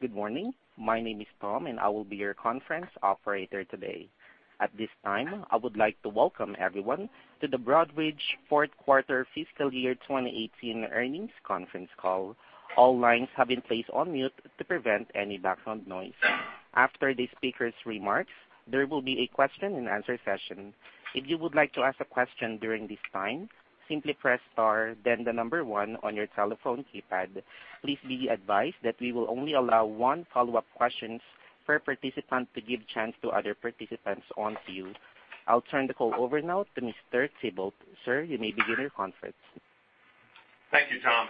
Good morning. My name is Tom, and I will be your conference operator today. At this time, I would like to welcome everyone to the Broadridge fourth quarter fiscal year 2018 earnings conference call. All lines have been placed on mute to prevent any background noise. After the speaker's remarks, there will be a question and answer session. If you would like to ask a question during this time, simply press star then the number one on your telephone keypad. Please be advised that we will only allow one follow-up question per participant to give chance to other participants on queue. I'll turn the call over now to Mr. Thibault. Sir, you may begin your conference. Thank you, Tom.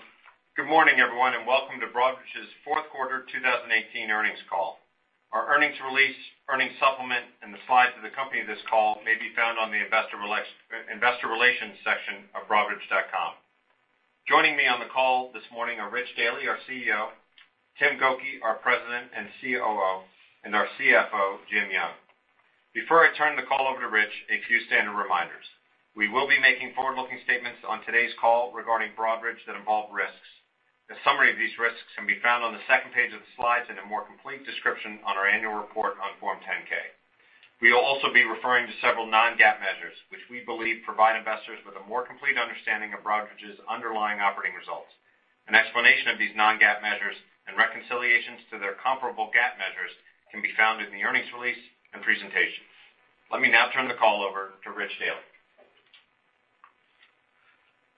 Good morning, everyone, and welcome to Broadridge's fourth quarter 2018 earnings call. Our earnings release, earnings supplement, and the slides of the call may be found on the investor relations section of broadridge.com. Joining me on the call this morning are Rich Daly, our CEO, Tim Gokey, our President and COO, and our CFO, Jim Young. Before I turn the call over to Rich, a few standard reminders. We will be making forward-looking statements on today's call regarding Broadridge that involve risks. A summary of these risks can be found on the second page of the slides and a more complete description on our annual report on Form 10-K. We will also be referring to several non-GAAP measures which we believe provide investors with a more complete understanding of Broadridge's underlying operating results. An explanation of these non-GAAP measures and reconciliations to their comparable GAAP measures can be found in the earnings release and presentations. Let me now turn the call over to Rich Daly.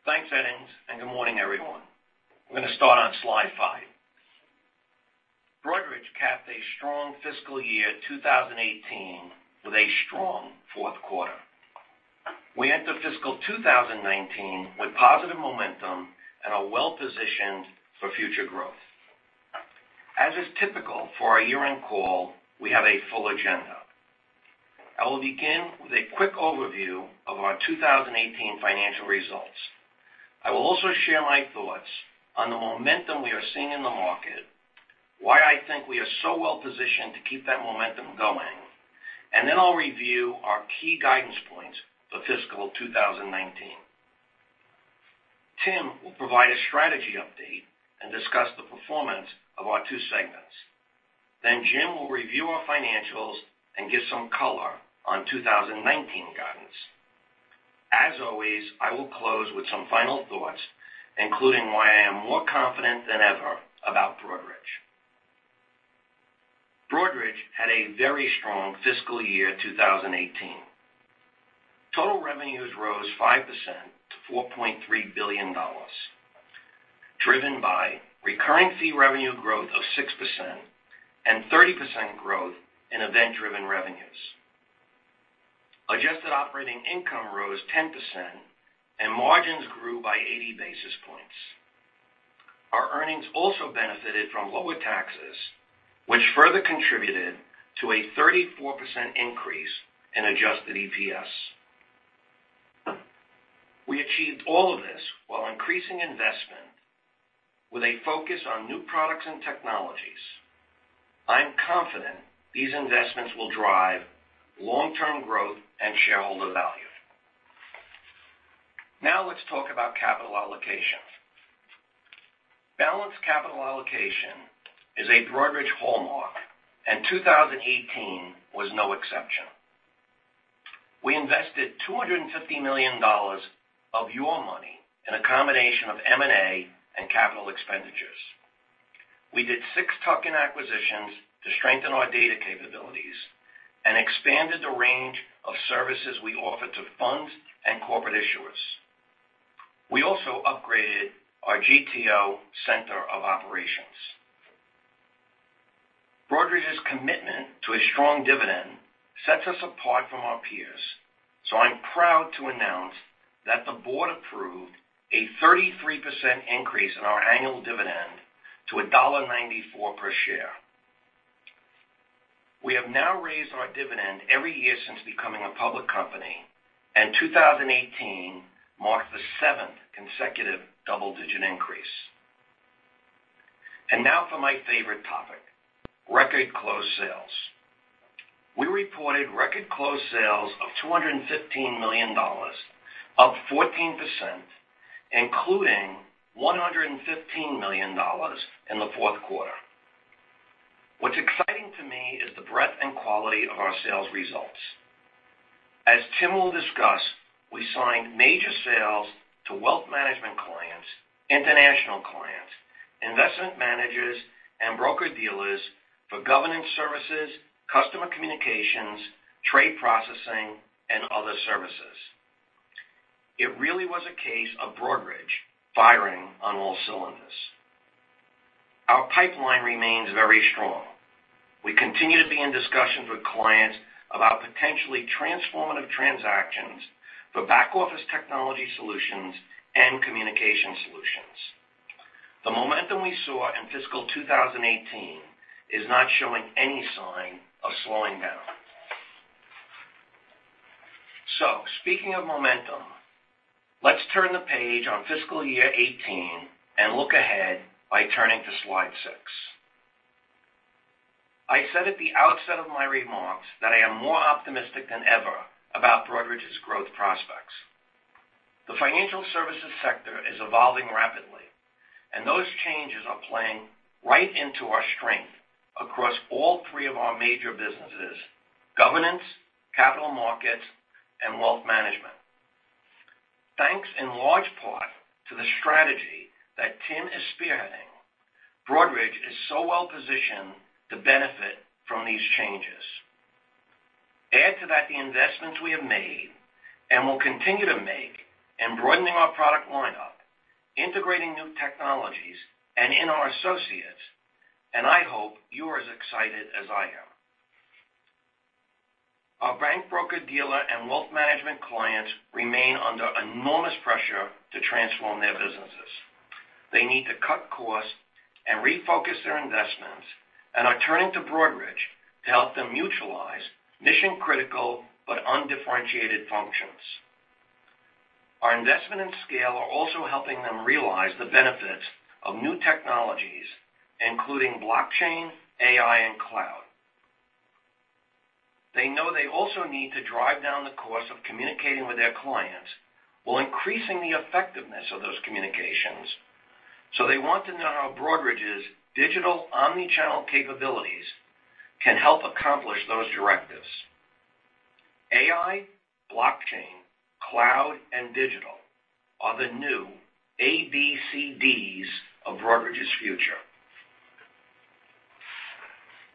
Thanks, Edings, and good morning, everyone. I'm going to start on slide five. Broadridge capped a strong fiscal year 2018 with a strong fourth quarter. We enter fiscal 2019 with positive momentum and are well-positioned for future growth. As is typical for our year-end call, we have a full agenda. I will begin with a quick overview of our 2018 financial results. I will also share my thoughts on the momentum we are seeing in the market, why I think we are so well positioned to keep that momentum going, and then I'll review our key guidance points for fiscal 2019. Tim will provide a strategy update and discuss the performance of our two segments. Jim will review our financials and give some color on 2019 guidance. As always, I will close with some final thoughts, including why I am more confident than ever about Broadridge. Broadridge had a very strong fiscal year 2018. Total revenues rose 5% to $4.3 billion, driven by recurring fee revenue growth of 6% and 30% growth in event-driven revenues. Adjusted operating income rose 10%, and margins grew by 80 basis points. Our earnings also benefited from lower taxes, which further contributed to a 34% increase in adjusted EPS. We achieved all of this while increasing investment with a focus on new products and technologies. I'm confident these investments will drive long-term growth and shareholder value. Let's talk about capital allocation. Balanced capital allocation is a Broadridge hallmark, and 2018 was no exception. We invested $250 million of your money in a combination of M&A and capital expenditures. We did six tuck-in acquisitions to strengthen our data capabilities and expanded the range of services we offer to funds and corporate issuers. We also upgraded our GTO center of operations. Broadridge's commitment to a strong dividend sets us apart from our peers, I'm proud to announce that the board approved a 33% increase in our annual dividend to $1.94 per share. We have now raised our dividend every year since becoming a public company, and 2018 marked the seventh consecutive double-digit increase. Now for my favorite topic, record close sales. We reported record close sales of $215 million, up 14%, including $115 million in the fourth quarter. What's exciting to me is the breadth and quality of our sales results. As Tim will discuss, we signed major sales to wealth management clients, international clients, investment managers, and broker-dealers for governance services, Customer Communications, trade processing, and other services. It really was a case of Broadridge firing on all cylinders. Our pipeline remains very strong. We continue to be in discussions with clients about potentially transformative transactions for back-office technology solutions and communication solutions. The momentum we saw in fiscal 2018 is not showing any sign of slowing down. Speaking of momentum, let's turn the page on fiscal year 2018 and look ahead by turning to slide six. I said at the outset of my remarks that I am more optimistic than ever about Broadridge's growth prospects. The financial services sector is evolving rapidly, and those changes are playing right into our strength across all three of our major businesses: governance, capital markets, and wealth management. Thanks in large part to the strategy that Tim is spearheading, Broadridge is so well-positioned to benefit from these changes. Add to that the investments we have made and will continue to make in broadening our product lineup, integrating new technologies and in our associates, I hope you are as excited as I am. Our bank broker-dealer and wealth management clients remain under enormous pressure to transform their businesses. They need to cut costs and refocus their investments, and are turning to Broadridge to help them mutualize mission-critical but undifferentiated functions. Our investment and scale are also helping them realize the benefits of new technologies, including blockchain, AI, and cloud. They know they also need to drive down the cost of communicating with their clients while increasing the effectiveness of those communications. They want to know how Broadridge's digital omni-channel capabilities can help accomplish those directives. AI, blockchain, cloud, and digital are the new ABCDs of Broadridge's future.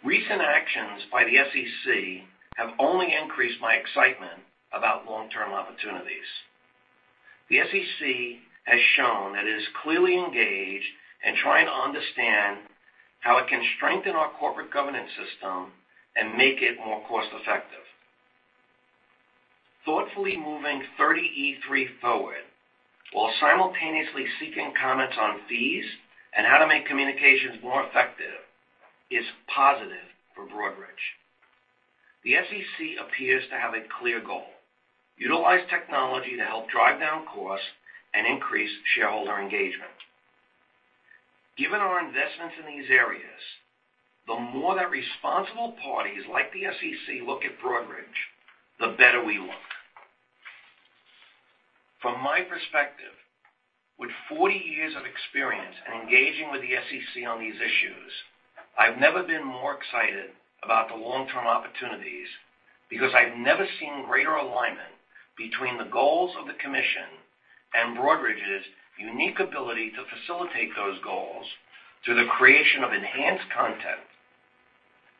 Recent actions by the SEC have only increased my excitement about long-term opportunities. The SEC has shown that it is clearly engaged in trying to understand how it can strengthen our corporate governance system and make it more cost-effective. Thoughtfully moving 30e-3 forward while simultaneously seeking comments on fees and how to make communications more effective is positive for Broadridge. The SEC appears to have a clear goal: utilize technology to help drive down costs and increase shareholder engagement. Given our investments in these areas, the more that responsible parties like the SEC look at Broadridge, the better we look. From my perspective, with 40 years of experience in engaging with the SEC on these issues, I've never been more excited about the long-term opportunities, because I've never seen greater alignment between the goals of the commission and Broadridge's unique ability to facilitate those goals through the creation of enhanced content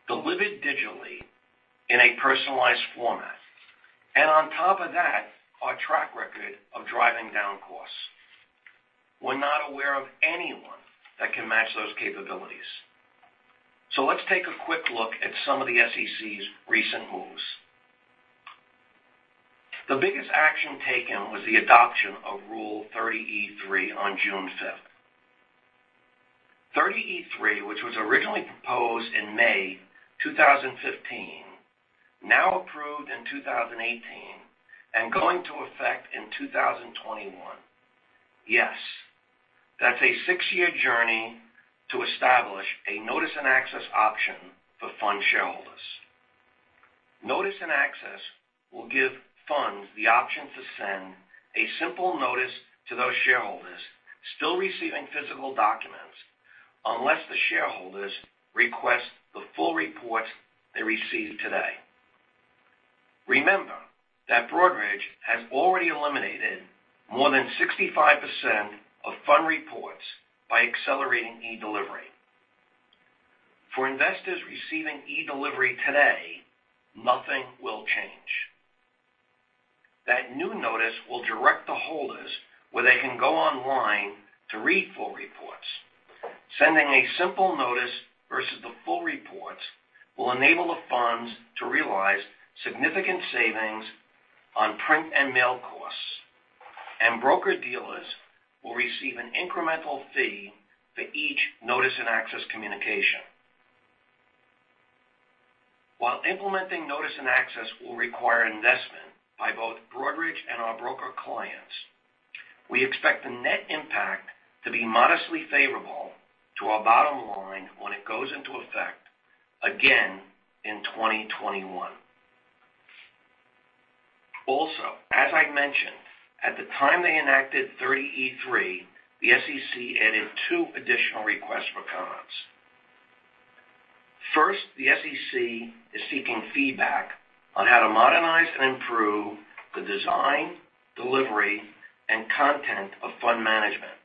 delivered digitally in a personalized format. On top of that, our track record of driving down costs. We're not aware of anyone that can match those capabilities. Let's take a quick look at some of the SEC's recent moves. The biggest action taken was the adoption of Rule 30e-3 on June 5th. 30e-3, which was originally proposed in May 2015, now approved in 2018, and going to effect in 2021. Yes, that's a six-year journey to establish a notice and access option for fund shareholders. Notice and access will give funds the option to send a simple notice to those shareholders still receiving physical documents, unless the shareholders request the full reports they receive today. Remember that Broadridge has already eliminated more than 65% of fund reports by accelerating eDelivery. For investors receiving eDelivery today, nothing will change. That new notice will direct the holders where they can go online to read full reports. Sending a simple notice versus the full reports will enable the funds to realize significant savings on print and mail costs, and broker-dealers will receive an incremental fee for each notice and access communication. While implementing notice and access will require investment by both Broadridge and our broker clients, we expect the net impact to be modestly favorable to our bottom line when it goes into effect, again, in 2021. As I mentioned, at the time they enacted 30e-3, the SEC added two additional requests for comments. First, the SEC is seeking feedback on how to modernize and improve the design, delivery, and content of fund management,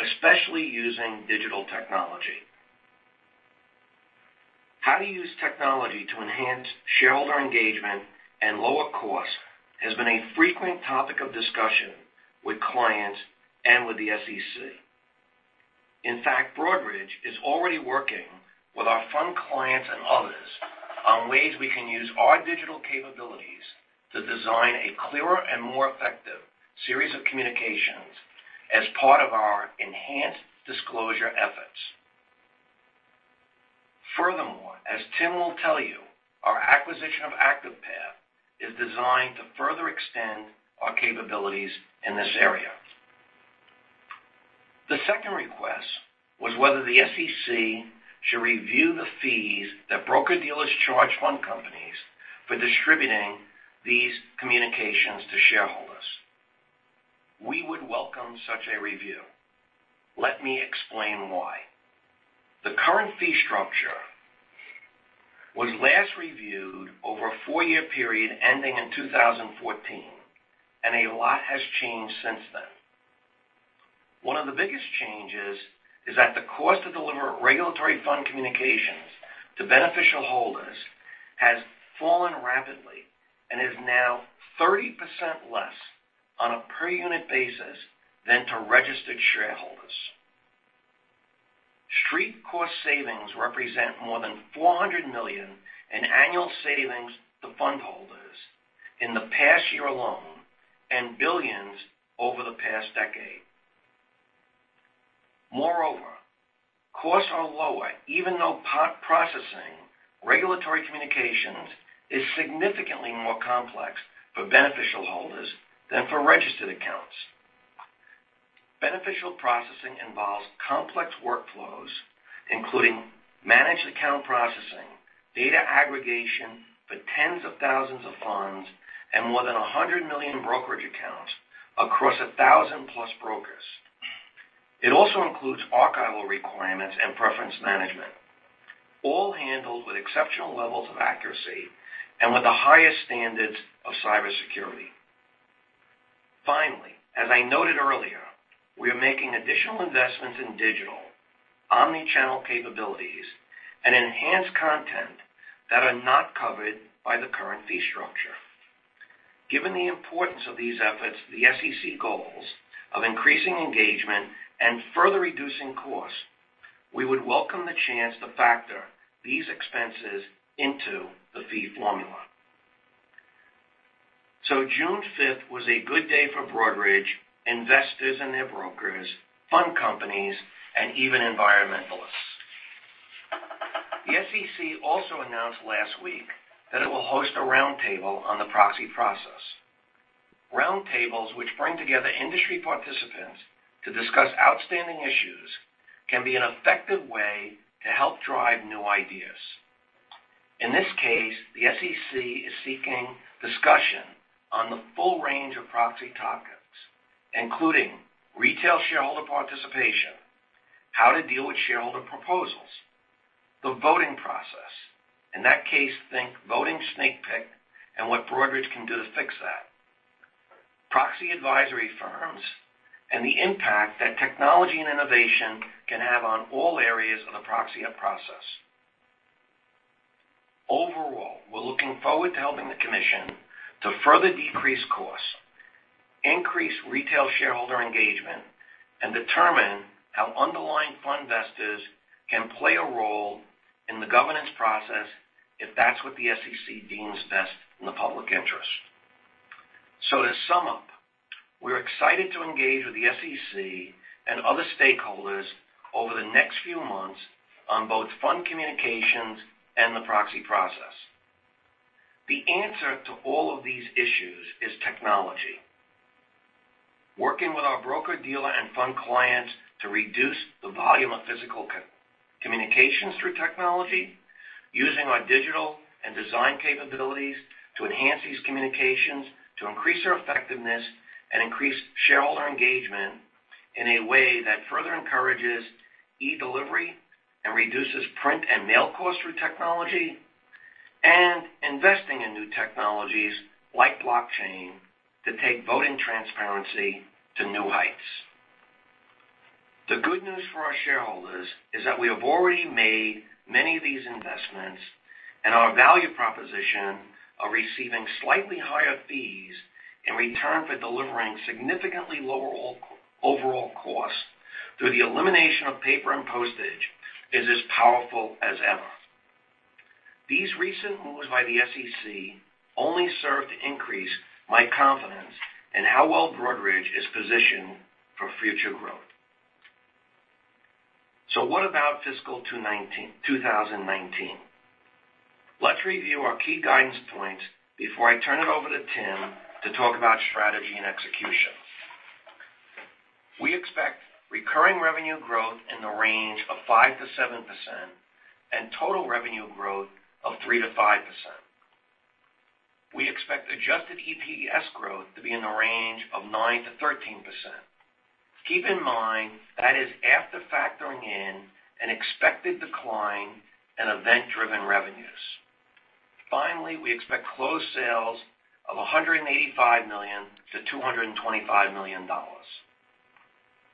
especially using digital technology. How to use technology to enhance shareholder engagement and lower cost has been a frequent topic of discussion with clients and with the SEC. In fact, Broadridge is already working with our fund clients and others on ways we can use our digital capabilities to design a clearer and more effective series of communications as part of our enhanced disclosure efforts. Furthermore, as Tim will tell you, our acquisition of ActivePath is designed to further extend our capabilities in this area. The second request was whether the SEC should review the fees that broker-dealers charge fund companies for distributing these communications to shareholders. We would welcome such a review. Let me explain why. The current fee structure was last reviewed over a four-year period ending in 2014. A lot has changed since then. One of the biggest changes is that the cost to deliver regulatory fund communications to beneficial holders has fallen rapidly and is now 30% less on a per-unit basis than to registered shareholders. Street cost savings represent more than $400 million in annual savings to fund holders in the past year alone and $ billions over the past decade. Moreover, costs are lower even though processing regulatory communications is significantly more complex for beneficial holders than for registered accounts. Beneficial processing involves complex workflows, including managed account processing, data aggregation for tens of thousands of funds, and more than 100 million brokerage accounts across 1,000-plus brokers. It also includes archival requirements and preference management, all handled with exceptional levels of accuracy and with the highest standards of cybersecurity. Finally, as I noted earlier, we are making additional investments in digital omni-channel capabilities and enhanced content that are not covered by the current fee structure. Given the importance of these efforts to the SEC goals of increasing engagement and further reducing costs, we would welcome the chance to factor these expenses into the fee formula. June 5th was a good day for Broadridge investors and their brokers, fund companies, and even environmentalists. The SEC also announced last week that it will host a roundtable on the proxy process. Roundtables, which bring together industry participants to discuss outstanding issues, can be an effective way to help drive new ideas. In this case, the SEC is seeking discussion on the full range of proxy topics, including retail shareholder participation, how to deal with shareholder proposals, the voting process, in that case, think voting snake pit and what Broadridge can do to fix that, proxy advisory firms, and the impact that technology and innovation can have on all areas of the proxy process. Overall, we're looking forward to helping the commission to further decrease costs, increase retail shareholder engagement, and determine how underlying fund investors can play a role in the governance process if that's what the SEC deems best in the public interest. To sum up, we're excited to engage with the SEC and other stakeholders over the next few months on both fund communications and the proxy process. The answer to all of these issues is technology. Working with our broker-dealer and fund clients to reduce the volume of physical communications through technology, using our digital and design capabilities to enhance these communications, to increase their effectiveness, and increase shareholder engagement in a way that further encourages e-delivery and reduces print and mail costs through technology, and investing in new technologies like blockchain to take voting transparency to new heights. The good news for our shareholders is that we have already made many of these investments, and our value proposition of receiving slightly higher fees in return for delivering significantly lower overall costs through the elimination of paper and postage is as powerful as ever. These recent moves by the SEC only serve to increase my confidence in how well Broadridge is positioned for future growth. What about fiscal 2019? Let's review our key guidance points before I turn it over to Tim to talk about strategy and execution. We expect recurring revenue growth in the range of 5%-7% and total revenue growth of 3%-5%. We expect adjusted EPS growth to be in the range of 9%-13%. Keep in mind, that is after factoring in an expected decline in event-driven revenues. Finally, we expect closed sales of $185 million to $225 million.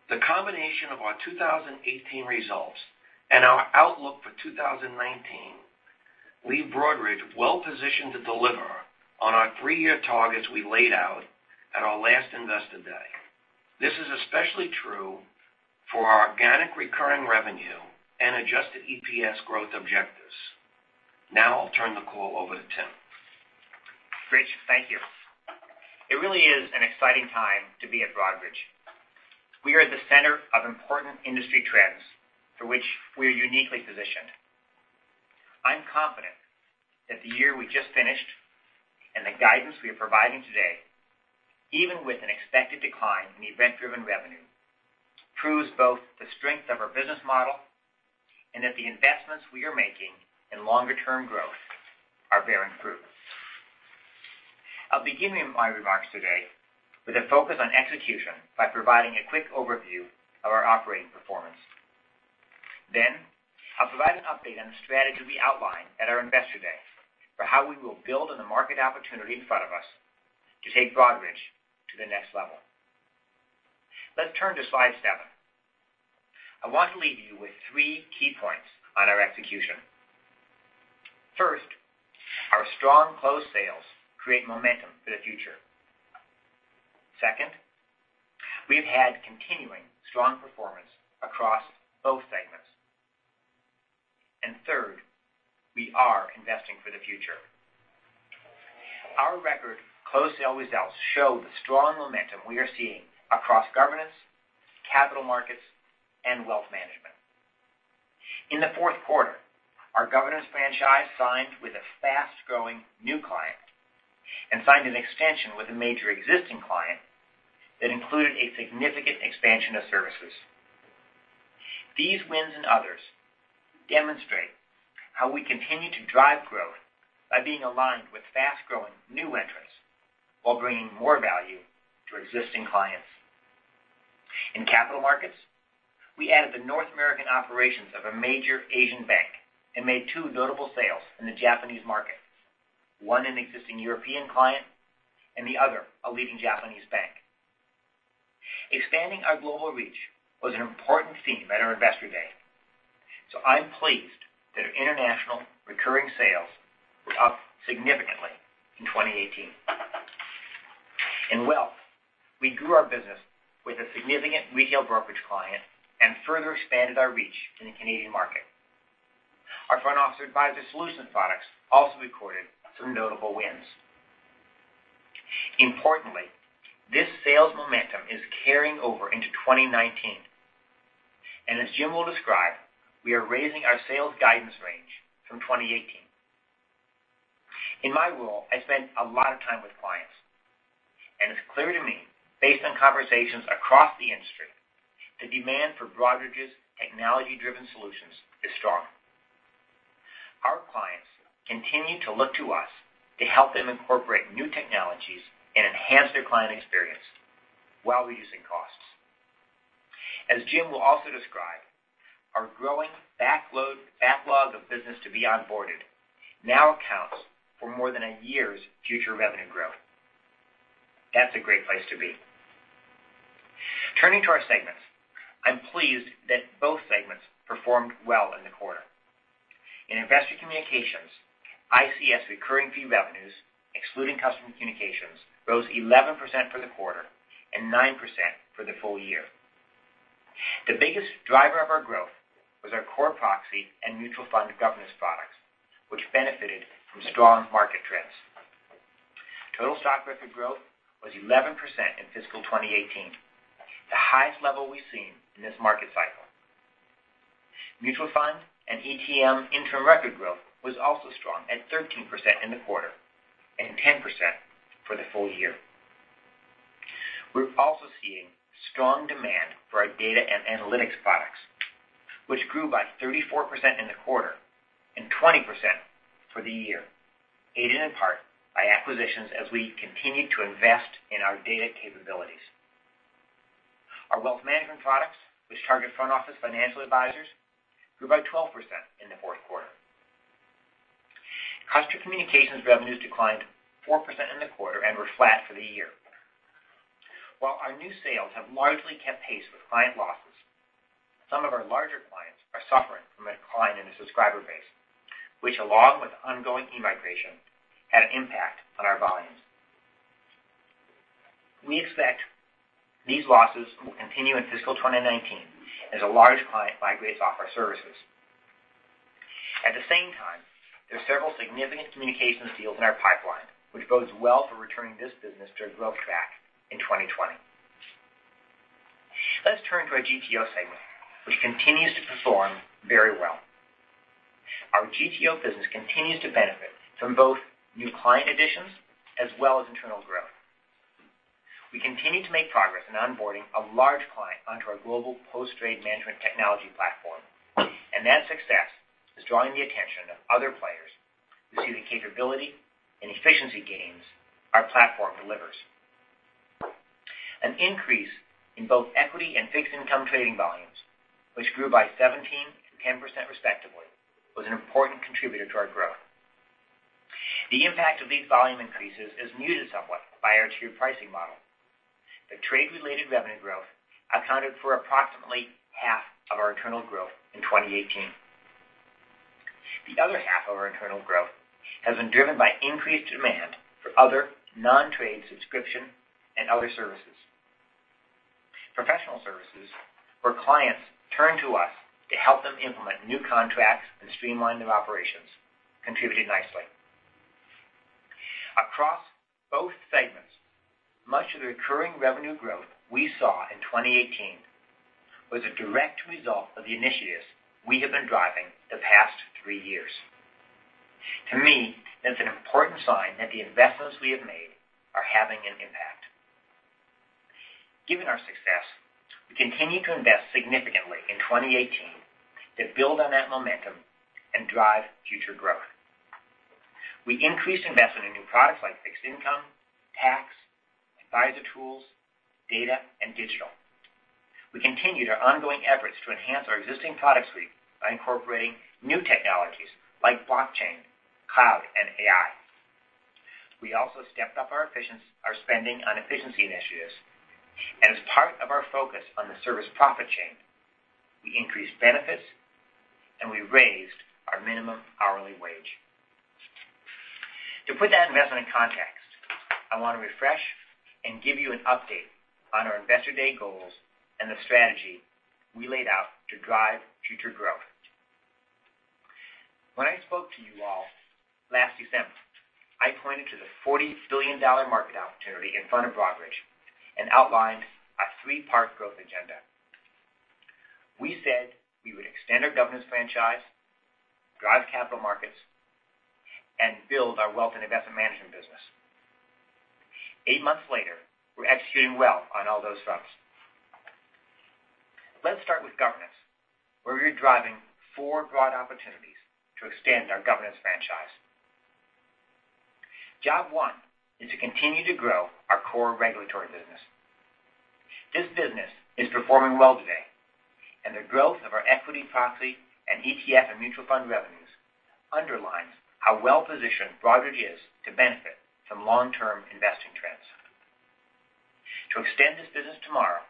The combination of our 2018 results and our outlook for 2019 leave Broadridge well-positioned to deliver on our three-year targets we laid out at our last Investor Day. This is especially true for our organic recurring revenue and adjusted EPS growth objectives. I'll turn the call over to Tim. Rich, thank you. It really is an exciting time to be at Broadridge. We are at the center of important industry trends for which we are uniquely positioned. I'm confident that the year we just finished and the guidance we are providing today, even with an expected decline in event-driven revenue, proves both the strength of our business model and that the investments we are making in longer-term growth are bearing fruit. I'll begin my remarks today with a focus on execution by providing a quick overview of our operating performance. I'll provide an update on the strategy we outlined at our Investor Day for how we will build on the market opportunity in front of us to take Broadridge to the next level. Let's turn to slide seven. I want to leave you with three key points on our execution. First, our strong closed sales create momentum for the future. Second, we've had continuing strong performance across both segments. Third, we are investing for the future. Our record closed sale results show the strong momentum we are seeing across governance, capital markets, and wealth management. In the fourth quarter, our governance franchise signed with a fast-growing new client and signed an extension with a major existing client that included a significant expansion of services. These wins and others demonstrate how we continue to drive growth by being aligned with fast-growing new entrants while bringing more value to existing clients. In capital markets, we added the North American operations of a major Asian bank and made two notable sales in the Japanese market, one an existing European client and the other, a leading Japanese bank. Expanding our global reach was an important theme at our Investor Day. I'm pleased that our international recurring sales were up significantly in 2018. In wealth, we grew our business with a significant retail brokerage client and further expanded our reach in the Canadian market. Our front office advisory solution products also recorded some notable wins. Importantly, this sales momentum is carrying over into 2019, and as Jim will describe, we are raising our sales guidance range from 2018. In my role, I spend a lot of time with clients, and it's clear to me, based on conversations across the industry, the demand for Broadridge's technology-driven solutions is strong. Our clients continue to look to us to help them incorporate new technologies and enhance their client experience while reducing costs. As Jim will also describe, our growing backlog of business to be onboarded now accounts for more than a year's future revenue growth. That's a great place to be. Turning to our segments, I'm pleased that both segments performed well in the quarter. In Investor Communication Solutions, ICS recurring fee revenues, excluding Customer Communications, rose 11% for the quarter and 9% for the full year. The biggest driver of our growth was our core proxy and mutual fund governance products, which benefited from strong market trends. Total stock record growth was 11% in fiscal 2018, the highest level we've seen in this market cycle. Mutual fund and ETF interim record growth was also strong at 13% in the quarter and 10% for the full year. We're also seeing strong demand for our data and analytics products, which grew by 34% in the quarter and 20% for the year, aided in part by acquisitions as we continued to invest in our data capabilities. Our wealth management products, which target front office financial advisors, grew by 12% in the fourth quarter. Customer Communications revenues declined 4% in the quarter and were flat for the year. While our new sales have largely kept pace with client losses, some of our larger clients are suffering from a decline in their subscriber base, which, along with ongoing eDelivery, had an impact on our volumes. We expect these losses will continue in fiscal 2019 as a large client migrates off our services. At the same time, there are several significant communications deals in our pipeline, which bodes well for returning this business to a growth track in 2020. Let's turn to our GTO segment, which continues to perform very well. Our GTO business continues to benefit from both new client additions as well as internal growth. We continue to make progress in onboarding a large client onto our global post-trade management technology platform. That success is drawing the attention of other players who see the capability and efficiency gains our platform delivers. An increase in both equity and fixed income trading volumes, which grew by 17% and 10% respectively, was an important contributor to our growth. The impact of these volume increases is muted somewhat by our tiered pricing model. The trade-related revenue growth accounted for approximately half of our internal growth in 2018. The other half of our internal growth has been driven by increased demand for other non-trade subscription and other services. Professional services, where clients turn to us to help them implement new contracts and streamline their operations, contributed nicely. Much of the recurring revenue growth we saw in 2018 was a direct result of the initiatives we have been driving the past three years. To me, that's an important sign that the investments we have made are having an impact. Given our success, we continued to invest significantly in 2018 to build on that momentum and drive future growth. We increased investment in new products like fixed income, tax, advisor tools, data, and digital. We continued our ongoing efforts to enhance our existing product suite by incorporating new technologies like blockchain, cloud, and AI. We also stepped up our spending on efficiency initiatives. As part of our focus on the service profit chain, we increased benefits. We raised our minimum hourly wage. To put that investment in context, I want to refresh and give you an update on our Investor Day goals and the strategy we laid out to drive future growth. When I spoke to you all last December, I pointed to the $40 billion market opportunity in front of Broadridge and outlined a three-part growth agenda. We said we would extend our governance franchise, drive capital markets, and build our wealth and investment management business. Eight months later, we're executing well on all those fronts. Let's start with governance, where we're driving four broad opportunities to extend our governance franchise. Job one is to continue to grow our core regulatory business. This business is performing well today, and the growth of our equity proxy and ETF and mutual fund revenues underlines how well-positioned Broadridge is to benefit from long-term investing trends. To extend this business tomorrow,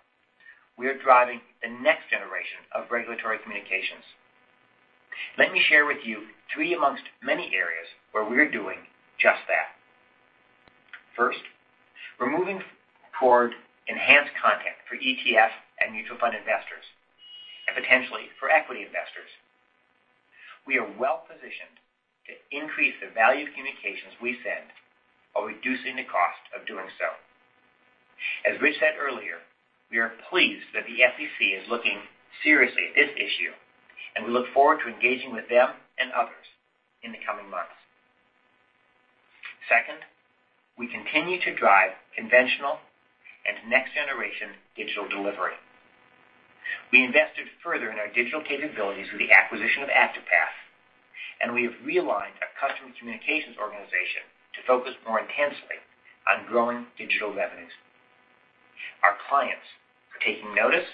we are driving the next generation of regulatory communications. Let me share with you three amongst many areas where we are doing just that. First, we're moving toward enhanced content for ETF and mutual fund investors, and potentially for equity investors. We are well-positioned to increase the value of communications we send while reducing the cost of doing so. As Rich said earlier, we are pleased that the SEC is looking seriously at this issue, and we look forward to engaging with them and others in the coming months. Second, we continue to drive conventional and next-generation digital delivery. We invested further in our digital capabilities through the acquisition of ActivePath, and we have realigned our Customer Communications organization to focus more intensely on growing digital revenues. Our clients are taking notice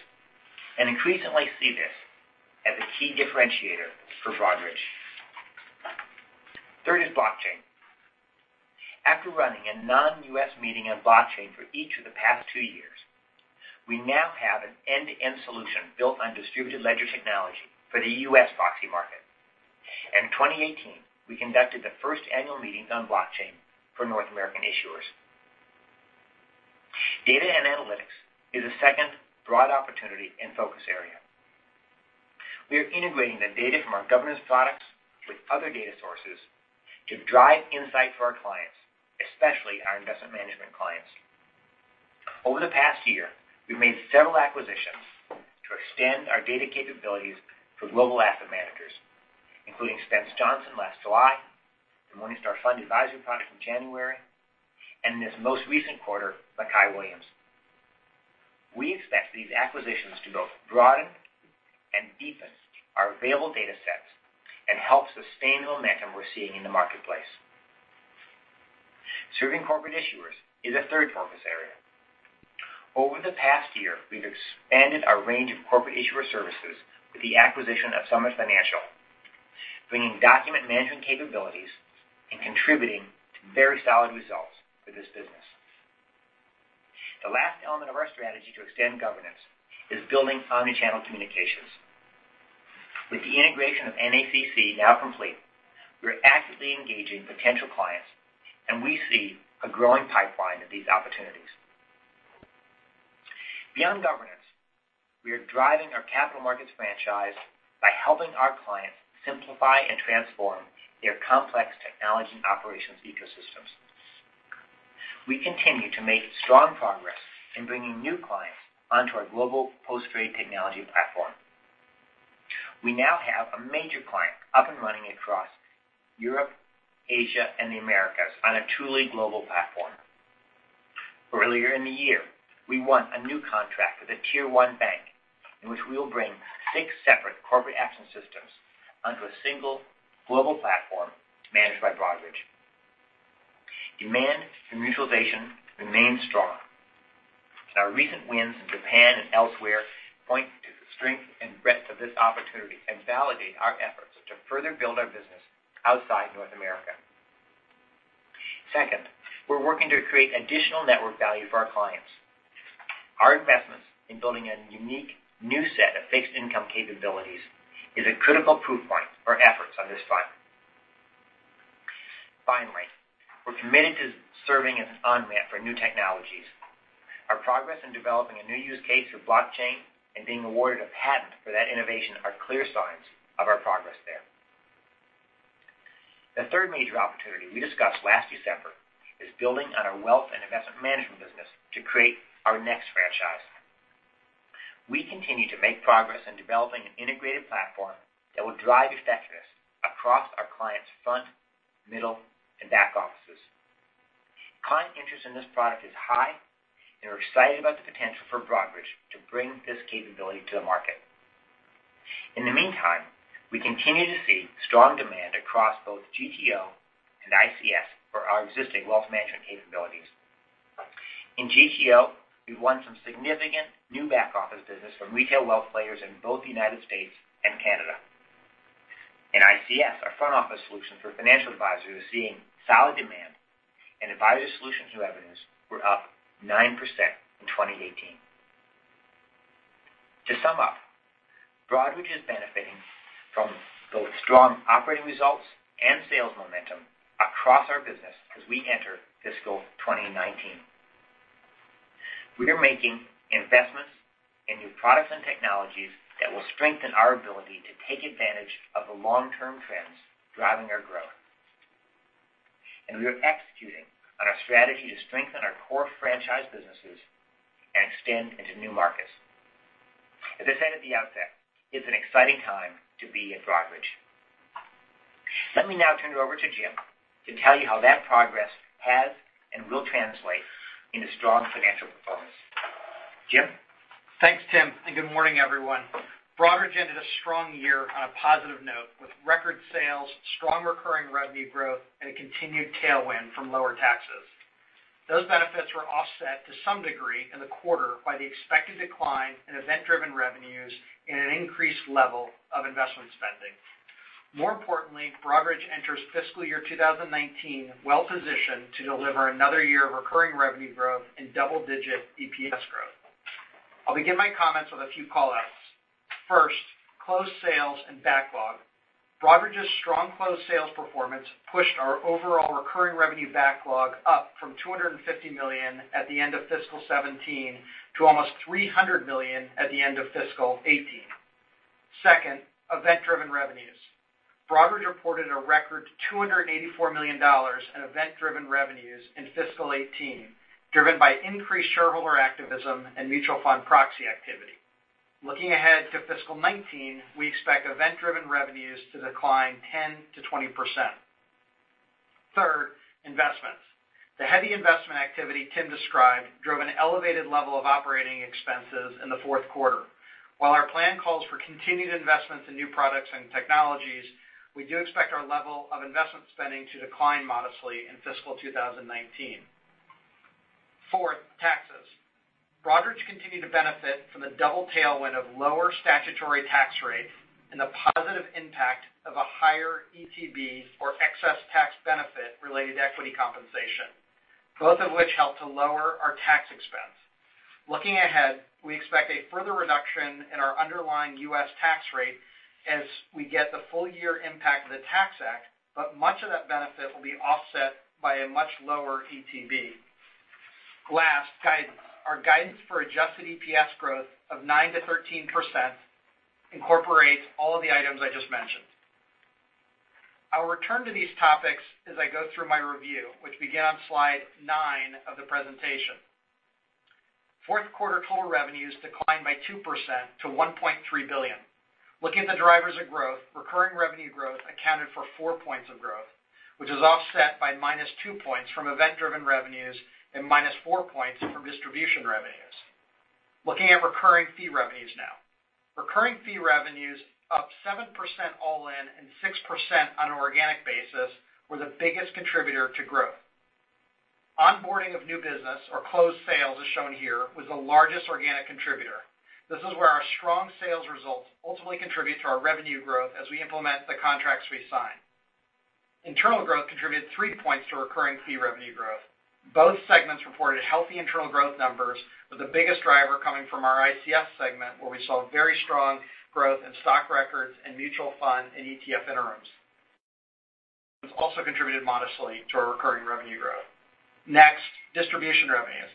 and increasingly see this as a key differentiator for Broadridge. Third is blockchain. After running a non-U.S. meeting on blockchain for each of the past two years, we now have an end-to-end solution built on distributed ledger technology for the U.S. proxy market. In 2018, we conducted the first annual meeting on blockchain for North American issuers. Data and analytics is a second broad opportunity and focus area. We are integrating the data from our governance products with other data sources to drive insight for our clients, especially our investment management clients. Over the past year, we've made several acquisitions to extend our data capabilities for global asset managers, including Spence Johnson last July, the Morningstar FundAdvantage product in January, and in this most recent quarter, MackayWilliams. We expect these acquisitions to both broaden and deepen our available data sets and help sustain the momentum we're seeing in the marketplace. Serving corporate issuers is a third focus area. Over the past year, we've expanded our range of corporate issuer services with the acquisition of Summit Financial, bringing document management capabilities and contributing to very solid results for this business. The last element of our strategy to extend governance is building omni-channel communications. With the integration of NACC now complete, we are actively engaging potential clients, and we see a growing pipeline of these opportunities. Beyond governance, we are driving our capital markets franchise by helping our clients simplify and transform their complex technology and operations ecosystems. We continue to make strong progress in bringing new clients onto our global post-trade technology platform. We now have a major client up and running across Europe, Asia, and the Americas on a truly global platform. Earlier in the year, we won a new contract with a tier 1 bank in which we will bring six separate corporate action systems onto a single global platform managed by Broadridge. Demand for mutualization remains strong, and our recent wins in Japan and elsewhere point to the strength and breadth of this opportunity and validate our efforts to further build our business outside North America. Second, we're working to create additional network value for our clients. Our investments in building a unique new set of fixed income capabilities is a critical proof point for efforts on this front. Finally, we're committed to serving as an on-ramp for new technologies. Our progress in developing a new use case for blockchain and being awarded a patent for that innovation are clear signs of our progress there. The third major opportunity we discussed last December is building on our wealth and investment management business to create our next franchise. We continue to make progress in developing an integrated platform that will drive effectiveness across our clients' front, middle, and back offices. Client interest in this product is high, and we're excited about the potential for Broadridge to bring this capability to the market. In the meantime, we continue to see strong demand across both GTO and ICS for our existing wealth management capabilities. In GTO, we've won some significant new back-office business from retail wealth players in both the United States and Canada. In ICS, our front office solution for financial advisors is seeing solid demand, and advisor solutions revenues were up 9% in 2018. To sum up, Broadridge is benefiting from both strong operating results and sales momentum across our business as we enter fiscal 2019. We are making investments in new products and technologies that will strengthen our ability to take advantage of the long-term trends driving our growth. We are executing on our strategy to strengthen our core franchise businesses and extend into new markets. As I said at the outset, it's an exciting time to be at Broadridge. Let me now turn it over to Jim to tell you how that progress has and will translate into strong financial performance. Jim? Thanks, Tim, and good morning, everyone. Broadridge ended a strong year on a positive note with record sales, strong recurring revenue growth, and a continued tailwind from lower taxes. Those benefits were offset to some degree in the quarter by the expected decline in event-driven revenues and an increased level of investment spending. More importantly, Broadridge enters fiscal 2019 well-positioned to deliver another year of recurring revenue growth and double-digit EPS growth. I'll begin my comments with a few call-outs. First, closed sales and backlog. Broadridge's strong closed sales performance pushed our overall recurring revenue backlog up from $250 million at the end of fiscal 2017 to almost $300 million at the end of fiscal 2018. Second, event-driven revenues. Broadridge reported a record $284 million in event-driven revenues in fiscal 2018, driven by increased shareholder activism and mutual fund proxy activity. Looking ahead to fiscal 2019, we expect event-driven revenues to decline 10%-20%. Third, investments. The heavy investment activity Tim described drove an elevated level of operating expenses in the fourth quarter. While our plan calls for continued investments in new products and technologies, we do expect our level of investment spending to decline modestly in fiscal 2019. Fourth, taxes. Broadridge continued to benefit from the double tailwind of lower statutory tax rates and the positive impact of a higher ETB, or excess tax benefit, related to equity compensation, both of which help to lower our tax expense. Looking ahead, we expect a further reduction in our underlying U.S. tax rate as we get the full year impact of the Tax Act, but much of that benefit will be offset by a much lower ETB. Last, guidance. Our guidance for adjusted EPS growth of 9%-13% incorporates all of the items I just mentioned. I will return to these topics as I go through my review, which begin on slide nine of the presentation. Fourth quarter total revenues declined by 2% to $1.3 billion. Looking at the drivers of growth, recurring revenue growth accounted for four points of growth, which is offset by minus two points from event-driven revenues and minus four points from distribution revenues. Looking at recurring fee revenues now. Recurring fee revenues, up 7% all-in and 6% on an organic basis, were the biggest contributor to growth. Onboarding of new business or closed sales, as shown here, was the largest organic contributor. This is where our strong sales results ultimately contribute to our revenue growth as we implement the contracts we sign. Internal growth contributed three points to recurring fee revenue growth. Both segments reported healthy internal growth numbers, with the biggest driver coming from our ICS segment, where we saw very strong growth in stock records and mutual fund and ETF interims. It's also contributed modestly to our recurring revenue growth. Next, distribution revenues.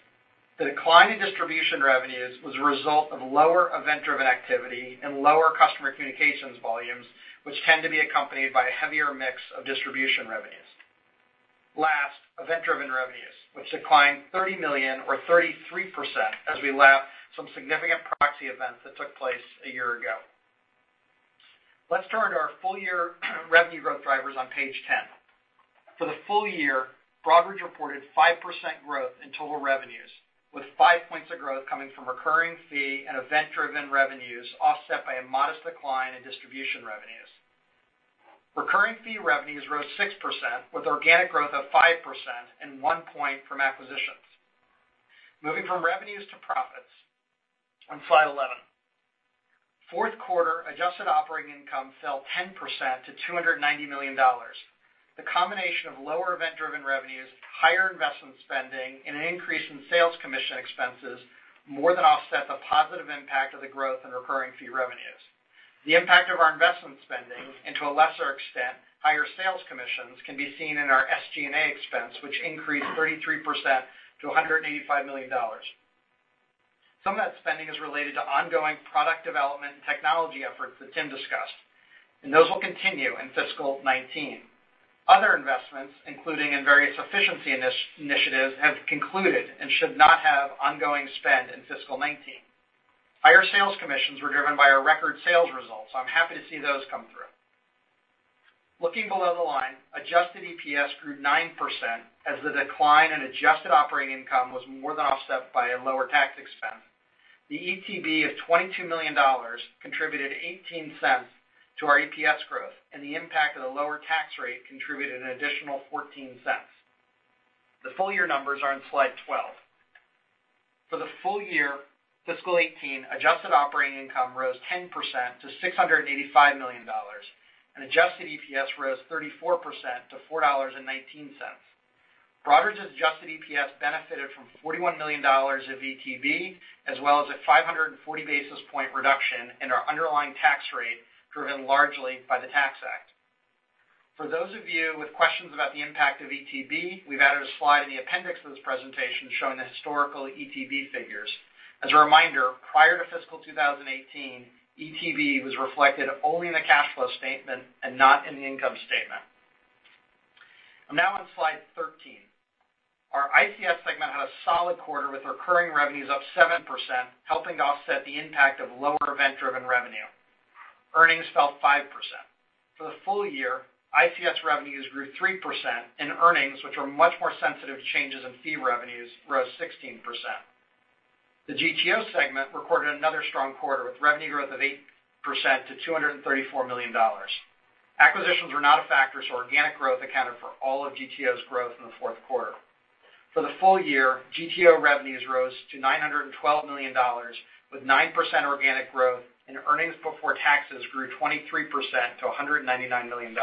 The decline in distribution revenues was a result of lower event-driven activity and lower Customer Communications volumes, which tend to be accompanied by a heavier mix of distribution revenues. Last, event-driven revenues, which declined $30 million or 33% as we lap some significant proxy events that took place a year ago. Let's turn to our full year revenue growth drivers on page 10. For the full year, Broadridge reported 5% growth in total revenues, with five points of growth coming from recurring fee and event-driven revenues offset by a modest decline in distribution revenues. Recurring fee revenues rose 6%, with organic growth of 5% and one point from acquisitions. Moving from revenues to profits on slide 11. Fourth quarter adjusted operating income fell 10% to $290 million. The combination of lower event-driven revenues, higher investment spending, and an increase in sales commission expenses more than offset the positive impact of the growth in recurring fee revenues. The impact of our investment spending, and to a lesser extent, higher sales commissions, can be seen in our SG&A expense, which increased 33% to $185 million. Some of that spending is related to ongoing product development and technology efforts that Tim discussed, and those will continue in fiscal 2019. Other investments, including in various efficiency initiatives, have concluded and should not have ongoing spend in fiscal 2019. Higher sales commissions were driven by our record sales results. I'm happy to see those come through. Looking below the line, adjusted EPS grew 9% as the decline in adjusted operating income was more than offset by a lower tax expense. The ETB of $22 million contributed $0.18 to our EPS growth, and the impact of the lower tax rate contributed an additional $0.14. The full year numbers are on slide 12. For the full year fiscal 2018, adjusted operating income rose 10% to $685 million, and adjusted EPS rose 34% to $4.19. Broadridge's adjusted EPS benefited from $41 million of ETB, as well as a 540 basis point reduction in our underlying tax rate, driven largely by the Tax Act. For those of you with questions about the impact of ETB, we've added a slide in the appendix of this presentation showing the historical ETB figures. As a reminder, prior to fiscal 2018, ETB was reflected only in the cash flow statement and not in the income statement. I'm now on slide 13. Our ICS segment had a solid quarter with recurring revenues up 7%, helping to offset the impact of lower event-driven revenue. Earnings fell 5%. For the full year, ICS revenues grew 3%, and earnings, which are much more sensitive to changes in fee revenues, rose 16%. The GTO segment recorded another strong quarter with revenue growth of 8% to $234 million. Acquisitions were not a factor, organic growth accounted for all of GTO's growth in the fourth quarter. For the full year, GTO revenues rose to $912 million with 9% organic growth, and earnings before taxes grew 23% to $199 million.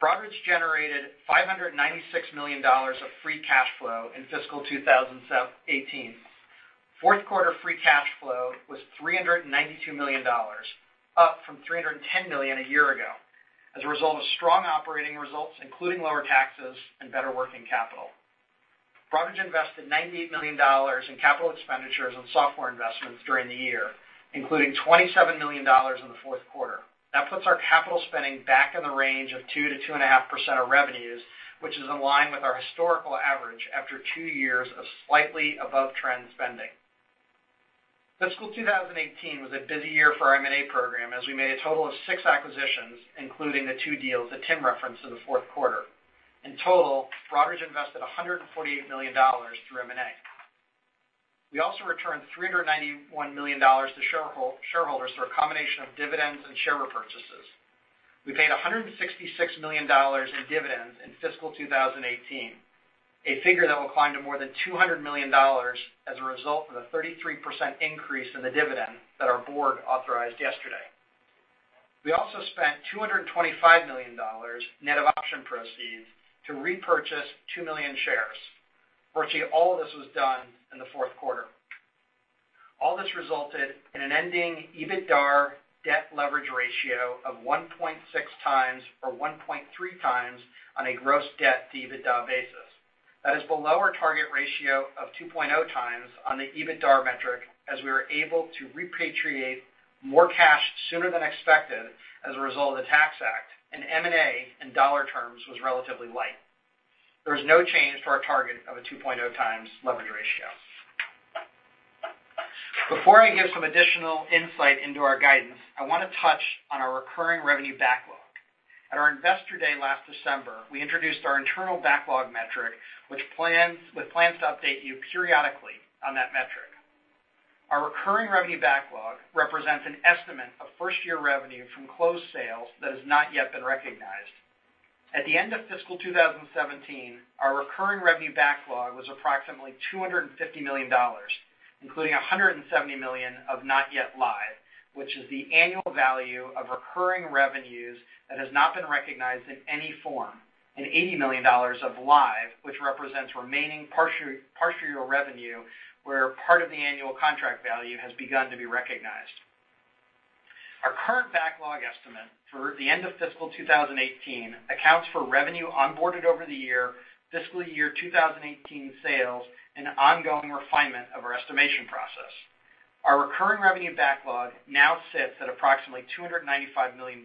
Broadridge generated $596 million of free cash flow in fiscal 2018. Fourth quarter free cash flow was $392 million, up from $310 million a year ago, as a result of strong operating results, including lower taxes and better working capital. Broadridge invested $98 million in capital expenditures and software investments during the year, including $27 million in the fourth quarter. That puts our capital spending back in the range of 2%-2.5% of revenues, which is in line with our historical average after 2 years of slightly above-trend spending. Fiscal 2018 was a busy year for our M&A program as we made a total of 6 acquisitions, including the 2 deals that Tim referenced in the fourth quarter. In total, Broadridge invested $148 million through M&A. We also returned $391 million to shareholders through a combination of dividends and share repurchases. We paid $166 million in dividends in fiscal 2018, a figure that will climb to more than $200 million as a result of the 33% increase in the dividend that our board authorized yesterday. We also spent $225 million, net of option proceeds, to repurchase 2 million shares. Virtually all of this was done in the fourth quarter. All this resulted in an ending EBITDA debt leverage ratio of 1.6 times or 1.3 times on a gross debt to EBITDA basis. That is below our target ratio of 2.0 times on the EBITDA metric, as we were able to repatriate more cash sooner than expected as a result of the Tax Act, and M&A in dollar terms was relatively light. There is no change to our target of a 2.0 times leverage ratio. Before I give some additional insight into our guidance, I want to touch on our recurring revenue backlog. At our investor day last December, we introduced our internal backlog metric with plans to update you periodically on that metric. Our recurring revenue backlog represents an estimate of first-year revenue from closed sales that has not yet been recognized. At the end of fiscal 2017, our recurring revenue backlog was approximately $250 million, including $170 million of not yet live, which is the annual value of recurring revenues that has not been recognized in any form, and $80 million of live, which represents remaining partial revenue, where part of the annual contract value has begun to be recognized. Our current backlog estimate through the end of fiscal 2018 accounts for revenue onboarded over the year, fiscal year 2018 sales, and ongoing refinement of our estimation process. Our recurring revenue backlog now sits at approximately $295 million,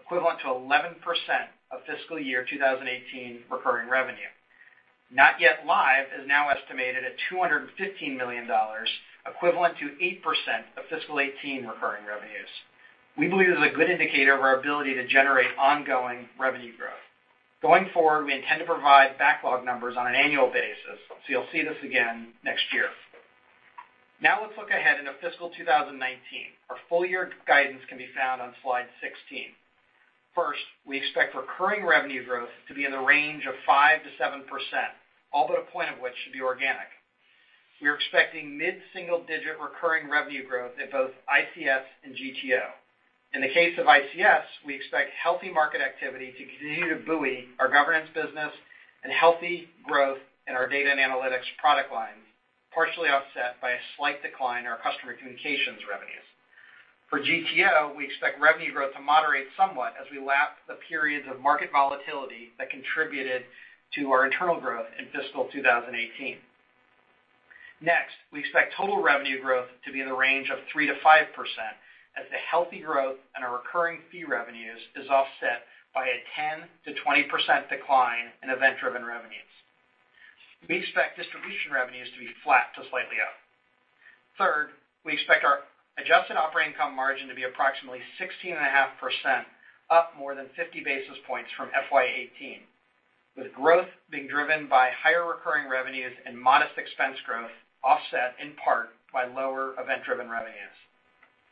equivalent to 11% of fiscal year 2018 recurring revenue. Not yet live is now estimated at $215 million, equivalent to 8% of fiscal 2018 recurring revenues. We believe this is a good indicator of our ability to generate ongoing revenue growth. Going forward, we intend to provide backlog numbers on an annual basis, so you'll see this again next year. Now let's look ahead into fiscal 2019. Our full-year guidance can be found on slide 16. First, we expect recurring revenue growth to be in the range of 5%-7%, all but a point of which should be organic. We are expecting mid-single-digit recurring revenue growth at both ICS and GTO. In the case of ICS, we expect healthy market activity to continue to buoy our governance business and healthy growth in our data and analytics product line, partially offset by a slight decline in our Customer Communications revenues. For GTO, we expect revenue growth to moderate somewhat as we lap the periods of market volatility that contributed to our internal growth in fiscal 2018. Next, we expect total revenue growth to be in the range of 3%-5% as the healthy growth and our recurring fee revenues is offset by a 10%-20% decline in event-driven revenues. We expect distribution revenues to be flat to slightly up. Third, we expect our adjusted operating income margin to be approximately 16.5%, up more than 50 basis points from FY 2018, with growth being driven by higher recurring revenues and modest expense growth offset in part by lower event-driven revenues.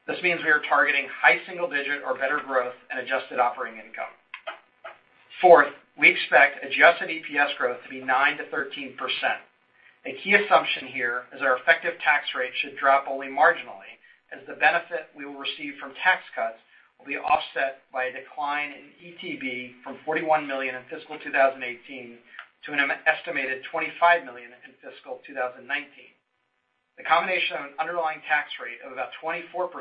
This means we are targeting high single-digit or better growth and adjusted operating income. Fourth, we expect adjusted EPS growth to be 9%-13%. A key assumption here is our effective tax rate should drop only marginally as the benefit we will receive from tax cuts will be offset by a decline in ETB from $41 million in fiscal 2018 to an estimated $25 million in fiscal 2019. The combination of an underlying tax rate of about 24%,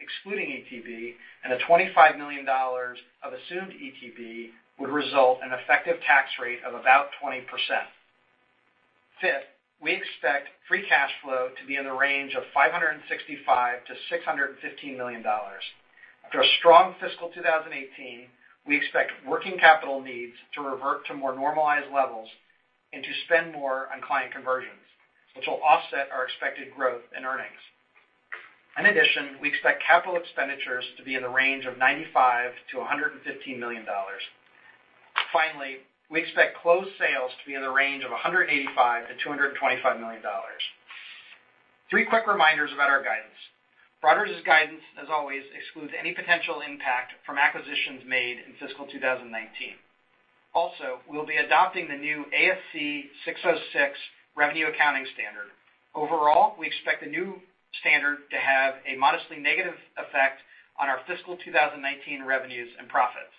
excluding ETB, and a $25 million of assumed ETB, would result in effective tax rate of about 20%. Fifth, we expect free cash flow to be in the range of $565 million-$615 million. After a strong fiscal 2018, we expect working capital needs to revert to more normalized levels and to spend more on client conversions, which will offset our expected growth in earnings. In addition, we expect capital expenditures to be in the range of $95 million-$115 million. Finally, we expect closed sales to be in the range of $185 million-$225 million. Three quick reminders about our guidance. Broadridge's guidance, as always, excludes any potential impact from acquisitions made in fiscal 2019. Also, we will be adopting the new ASC 606 revenue accounting standard. Overall, we expect the new standard to have a modestly negative effect on our fiscal 2019 revenues and profits.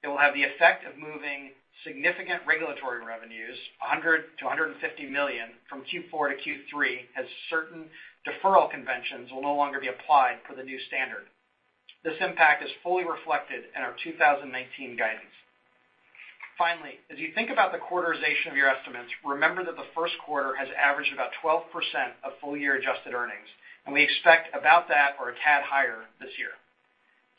It will have the effect of moving significant regulatory revenues, $100 million-$150 million, from Q4 to Q3, as certain deferral conventions will no longer be applied for the new standard. This impact is fully reflected in our 2019 guidance. Finally, as you think about the quarterization of your estimates, remember that the first quarter has averaged about 12% of full year adjusted earnings, and we expect about that or a tad higher this year.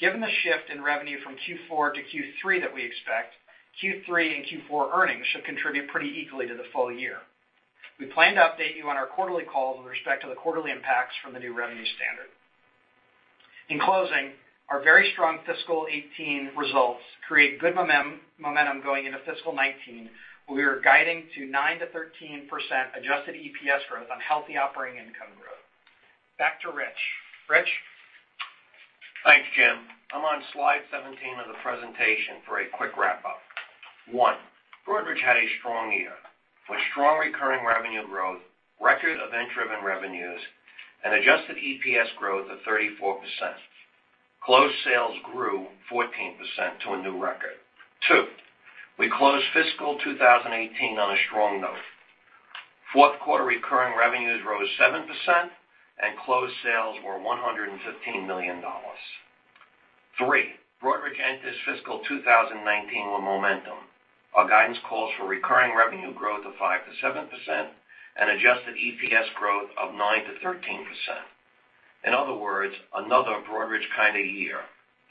Given the shift in revenue from Q4 to Q3 that we expect, Q3 and Q4 earnings should contribute pretty equally to the full year. We plan to update you on our quarterly call with respect to the quarterly impacts from the new revenue standard. In closing, our very strong fiscal 2018 results create good momentum going into fiscal 2019, where we are guiding to 9%-13% adjusted EPS growth on healthy operating income growth. Back to Rich. Rich? Thanks, Jim. I am on slide 17 of the presentation for a quick wrap-up. One, Broadridge had a strong year with strong recurring revenue growth, record event-driven revenues, and adjusted EPS growth of 34%. Closed sales grew 14% to a new record. Two, we closed fiscal 2018 on a strong note. Fourth quarter recurring revenues rose 7%, and closed sales were $115 million. Three, Broadridge enters fiscal 2019 with momentum. Our guidance calls for recurring revenue growth of 5%-7% and adjusted EPS growth of 9%-13%. In other words, another Broadridge kind of year,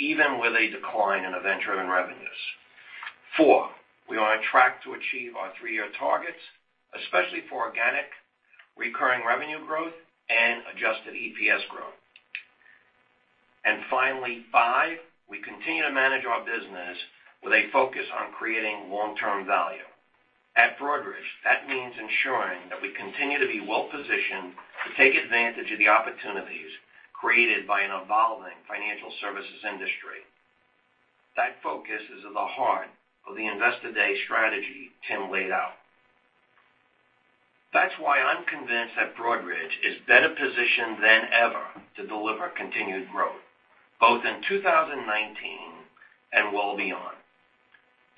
even with a decline in event-driven revenues. Four, we are on track to achieve our three-year targets, especially for organic recurring revenue growth and adjusted EPS growth. Finally, five, we continue to manage our business with a focus on creating long-term value. At Broadridge, that means ensuring that we continue to be well positioned to take advantage of the opportunities created by an evolving financial services industry. That focus is at the heart of the Investor Day strategy Tim laid out. That is why I am convinced that Broadridge is better positioned than ever to deliver continued growth, both in 2019 and well beyond.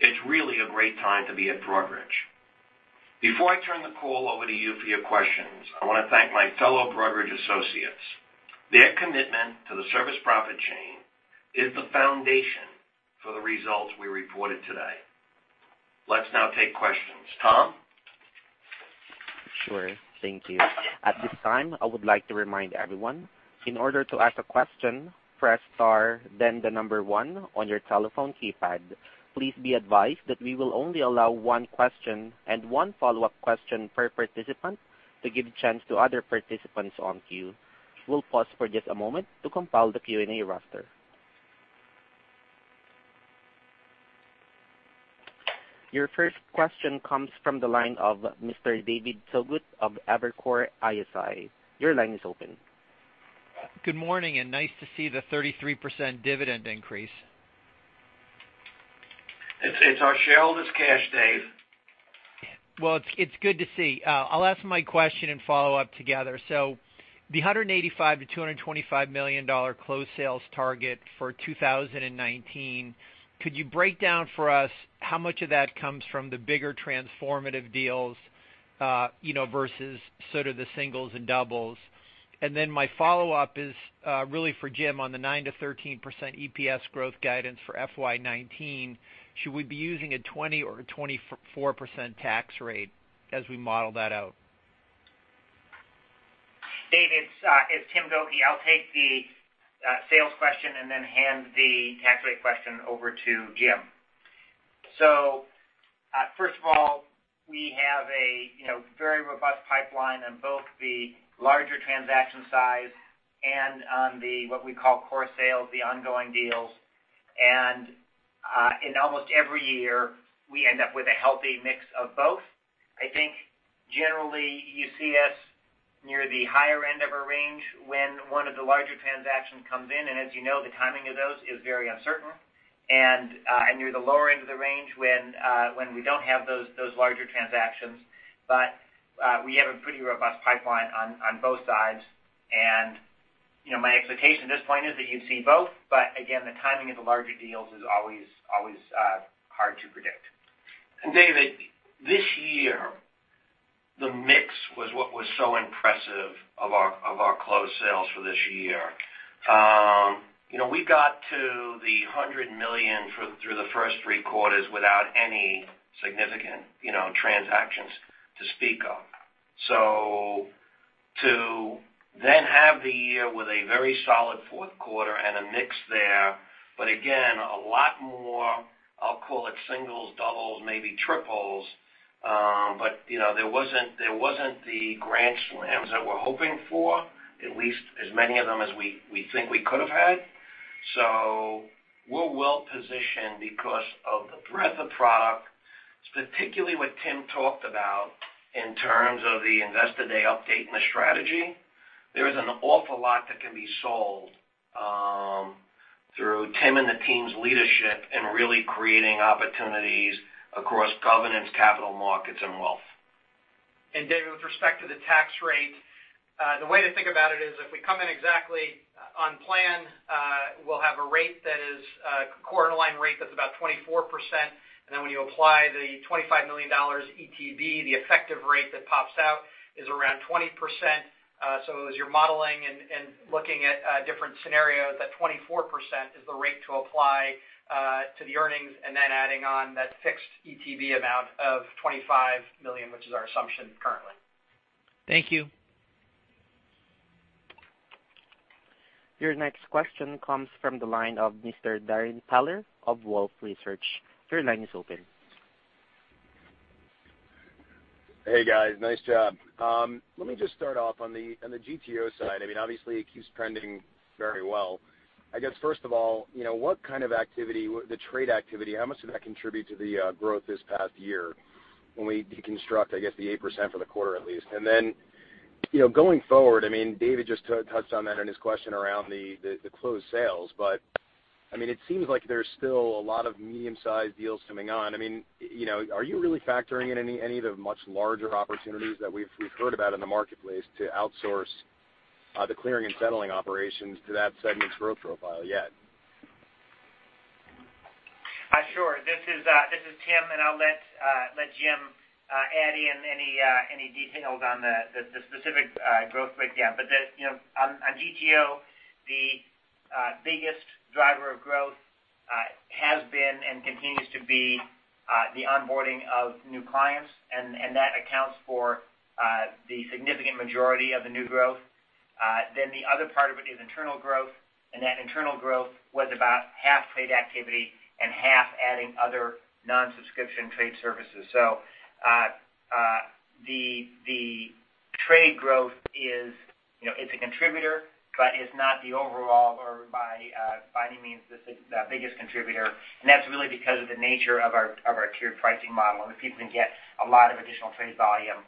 It is really a great time to be at Broadridge. Before I turn the call over to you for your questions, I want to thank my fellow Broadridge associates. Their commitment to the service profit chain is the foundation for the results we reported today. Let us now take questions. Tom? Sure. Thank you. At this time, I would like to remind everyone, in order to ask a question, press star then 1 on your telephone keypad. Please be advised that we will only allow one question and one follow-up question per participant to give a chance to other participants on queue. We'll pause for just a moment to compile the Q&A roster. Your first question comes from the line of Mr. David Togut of Evercore ISI. Your line is open. Good morning, nice to see the 33% dividend increase. It's our shareholders' cash, Dave. It's good to see. I'll ask my question and follow up together. The $185 million-$225 million closed sales target for 2019, could you break down for us how much of that comes from the bigger transformative deals versus sort of the singles and doubles? My follow-up is really for Jim on the 9%-13% EPS growth guidance for FY 2019. Should we be using a 20% or 24% tax rate as we model that out? David, it's Tim Gokey. I'll take the sales question and then hand the tax rate question over to Jim. First of all, we have a very robust pipeline on both the larger transaction size and on the, what we call core sales, the ongoing deals. In almost every year, we end up with a healthy mix of both. I think generally you see us near the higher end of a range when one of the larger transactions comes in. As you know, the timing of those is very uncertain. Near the lower end of the range when we don't have those larger transactions. We have a pretty robust pipeline on both sides. My expectation at this point is that you'd see both. Again, the timing of the larger deals is always hard to predict. David, this year, the mix was what was so impressive of our closed sales for this year. We got to the $100 million through the first three quarters without any significant transactions to speak of. To then have the year with a very solid fourth quarter and a mix there, again, a lot more, I'll call it singles, doubles, maybe triples. There wasn't the grand slams that we're hoping for, at least as many of them as we think we could have had. We're well-positioned because of the breadth of product, particularly what Tim talked about in terms of the Investor Day update and the strategy. There is an awful lot that can be sold through Tim and the team's leadership in really creating opportunities across governance, capital markets, and wealth. David, with respect to the tax rate, the way to think about it is if we come in exactly on plan, we'll have a rate that is a quarter line rate that's about 24%. Then when you apply the $25 million ETB, the effective rate that pops out is around 20%. As you're modeling and looking at different scenarios, that 24% is the rate to apply to the earnings, and then adding on that fixed ETB amount of $25 million, which is our assumption currently. Thank you. Your next question comes from the line of Mr. Darrin Peller of Wolfe Research. Your line is open. Hey, guys. Nice job. Let me just start off on the GTO side. Obviously it keeps trending very well. I guess first of all, what kind of activity, the trade activity, how much did that contribute to the growth this past year when we deconstruct, I guess, the 8% for the quarter at least? Going forward, David just touched on that in his question around the closed sales. It seems like there's still a lot of medium-sized deals coming on. Are you really factoring in any of the much larger opportunities that we've heard about in the marketplace to outsource the clearing and settling operations to that segment's growth profile yet? Sure. This is Tim, I'll let Jim add in any details on the specific growth breakdown. On GTO, the biggest driver of growth has been and continues to be the onboarding of new clients, that accounts for the significant majority of the new growth. The other part of it is internal growth, that internal growth was about half trade activity and half adding other non-subscription trade services. The trade growth is a contributor, it's not the overall or by any means the biggest contributor, that's really because of the nature of our tiered pricing model, where people can get a lot of additional trade volume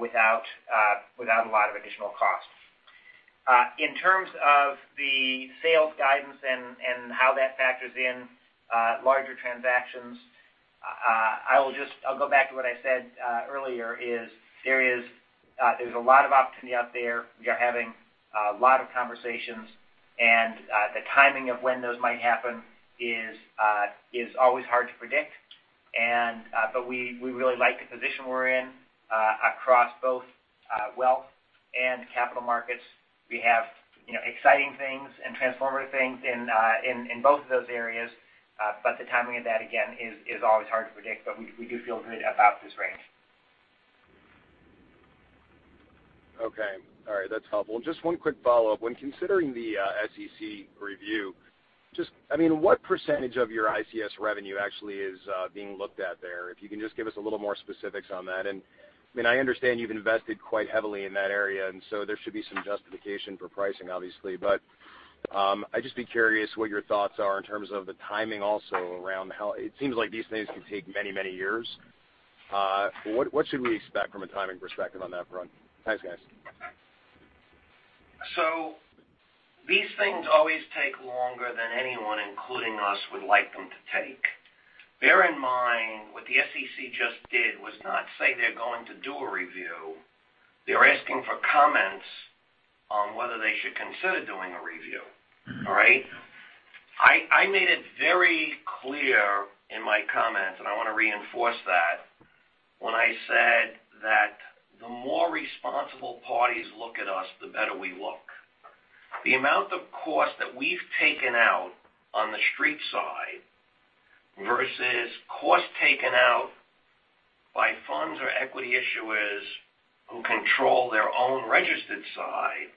without a lot of additional cost. In terms of the sales guidance and how that factors in larger transactions, I'll go back to what I said earlier is there's a lot of opportunity out there. We are having a lot of conversations, the timing of when those might happen is always hard to predict. We really like the position we're in across both wealth and capital markets. We have exciting things and transformative things in both of those areas. The timing of that, again, is always hard to predict. We do feel good about this range. Okay. All right. That's helpful. Just one quick follow-up. When considering the SEC review, just what percentage of your ICS revenue actually is being looked at there? If you can just give us a little more specifics on that. I understand you've invested quite heavily in that area, and so there should be some justification for pricing, obviously. I'd just be curious what your thoughts are in terms of the timing also around how it seems like these things can take many, many years. What should we expect from a timing perspective on that front? Thanks, guys. These things always take longer than anyone, including us, would like them to take. Bear in mind, what the SEC just did was not say they're going to do a review. They're asking for comments on whether they should consider doing a review. All right? I made it very clear in my comments, and I want to reinforce that, when I said that the more responsible parties look at us, the better we look. The amount of cost that we've taken out on the street side versus cost taken out by funds or equity issuers who control their own registered side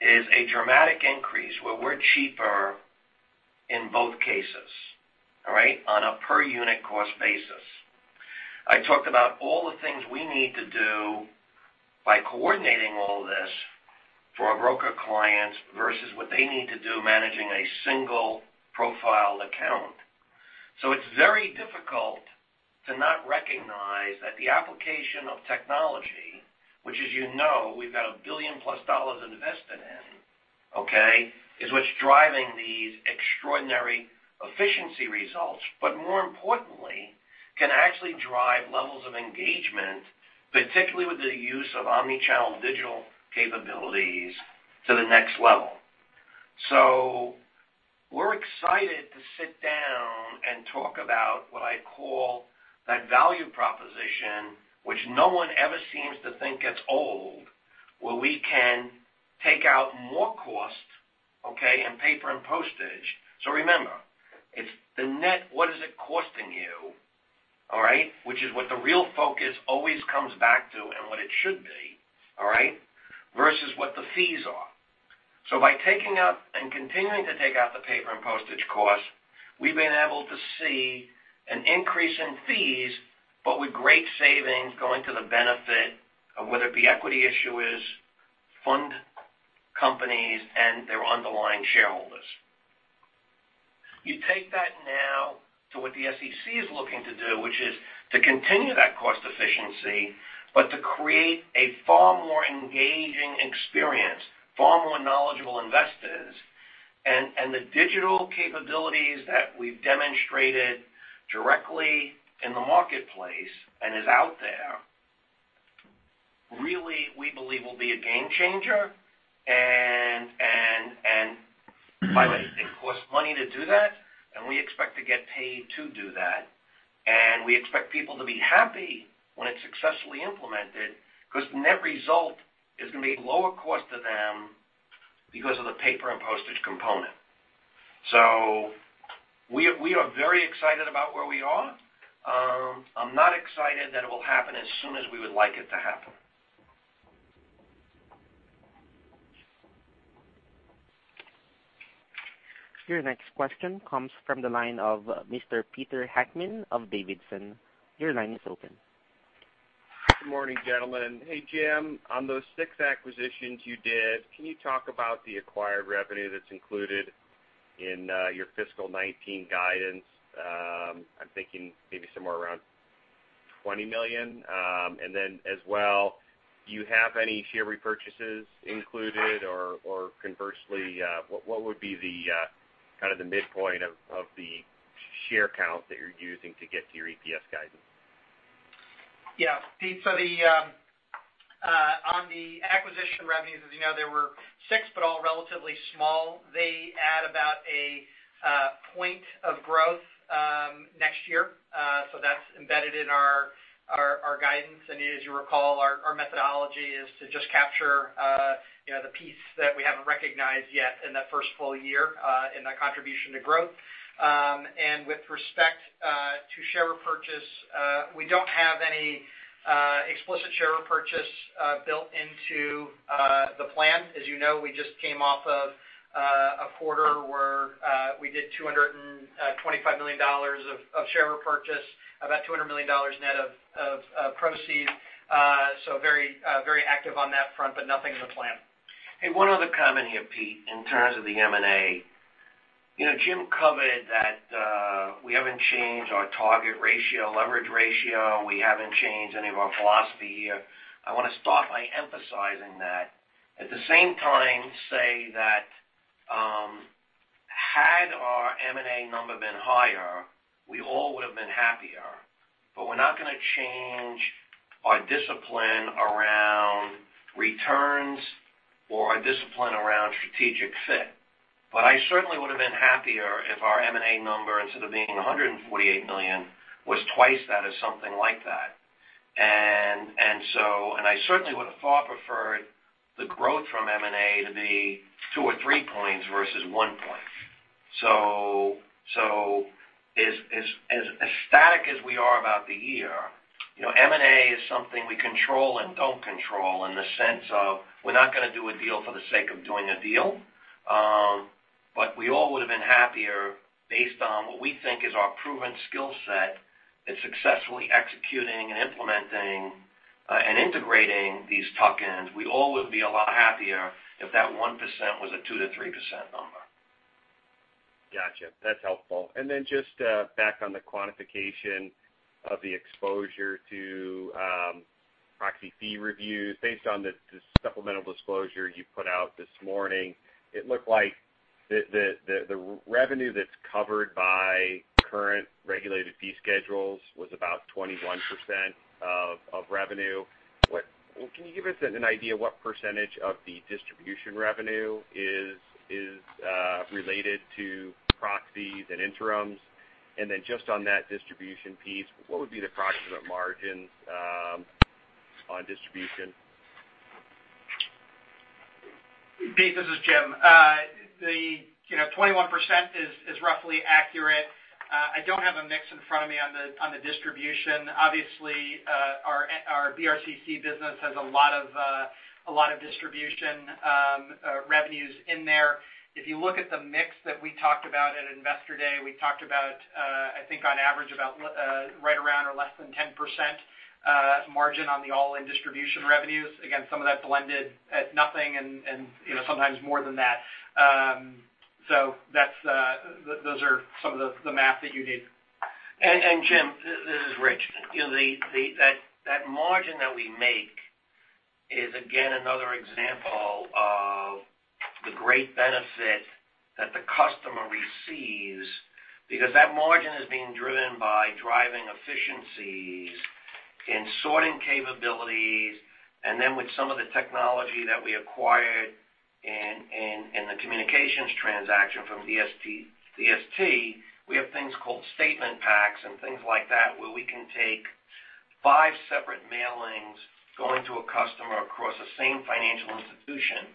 is a dramatic increase, where we're cheaper in both cases, all right, on a per-unit cost basis. I talked about all the things we need to do by coordinating all of this for our broker clients versus what they need to do managing a single profiled account. It's very difficult to not recognize that the application of technology, which as you know, we've got a $1 billion-plus invested in, okay, is what's driving these extraordinary efficiency results. More importantly, can actually drive levels of engagement, particularly with the use of omni-channel digital capabilities to the next level. We're excited to sit down and talk about what I call that value proposition, which no one ever seems to think gets old, where we can take out more cost, okay, and paper and postage. Remember, it's the net, what is it costing you, all right? Which is what the real focus always comes back to and what it should be, all right, versus what the fees are. By taking out and continuing to take out the paper and postage costs, we've been able to see an increase in fees, but with great savings going to the benefit of whether it be equity issuers, fund companies, and their underlying shareholders. You take that now to what the SEC is looking to do, which is to continue that cost efficiency, but to create a far more engaging experience, far more knowledgeable investors. The digital capabilities that we've demonstrated directly in the marketplace and is out there, really, we believe, will be a game changer. By the way. it costs money to do that, and we expect to get paid to do that. We expect people to be happy when it's successfully implemented, because the net result is going to be lower cost to them because of the paper and postage component. We are very excited about where we are. I'm not excited that it will happen as soon as we would like it to happen. Your next question comes from the line of Mr. Peter Heckmann of Davidson. Your line is open. Good morning, gentlemen. Hey, Jim, on those six acquisitions you did, can you talk about the acquired revenue that's included in your fiscal 2019 guidance? I'm thinking maybe somewhere around $20 million. Then as well, do you have any share repurchases included? Conversely, what would be the midpoint of the share count that you're using to get to your EPS guidance? Pete, on the acquisition revenues, as you know, there were six, but all relatively small. They add about a point of growth next year. That's embedded in our guidance. As you recall, our methodology is to just capture the piece that we haven't recognized yet in that first full year in the contribution to growth. With respect to share repurchase, we don't have any explicit share repurchase built into the plan. As you know, we just came off of a quarter where we did $225 million of share repurchase, about $200 million net of proceeds. Very active on that front, but nothing in the plan. Hey, one other comment here, Peter, in terms of the M&A. Jim covered that we haven't changed our target ratio, leverage ratio. We haven't changed any of our philosophy here. I want to start by emphasizing that. At the same time, say that had our M&A number been higher, we all would have been happier. We're not going to change our discipline around returns or our discipline around strategic fit. I certainly would have been happier if our M&A number, instead of being $148 million, was twice that or something like that. I certainly would have far preferred the growth from M&A to be two or three points versus one point. As ecstatic as we are about the year, M&A is something we control and don't control in the sense of we're not going to do a deal for the sake of doing a deal. We all would have been happier based on what we think is our proven skill set at successfully executing and implementing and integrating these tuck-ins. We all would be a lot happier if that 1% was a 2%-3% number. Got you. That's helpful. Then just back on the quantification of the exposure to proxy fee reviews. Based on the supplemental disclosure you put out this morning, it looked like the revenue that's covered by current regulated fee schedules was about 21% of revenue. Can you give us an idea what percentage of the distribution revenue is related to proxies and interims? Then just on that distribution piece, what would be the approximate margins on distribution? Peter, this is James. The 21% is roughly accurate. I don't have a mix in front of me on the distribution. Obviously, our BRCC business has a lot of distribution revenues in there. If you look at the mix that we talked about at Investor Day, we talked about, I think on average about right around or less than 10% margin on the all-in distribution revenues. Again, some of that's blended at nothing and sometimes more than that. Those are some of the math that you need. Jim, this is Rich. That margin that we make is again another example of the great benefit that the customer receives because that margin is being driven by driving efficiencies and sorting capabilities. Then with some of the technology that we acquired in the communications transaction from DST Systems, we have things called StatementPacks and things like that where we can take five separate mailings going to a customer across the same financial institution,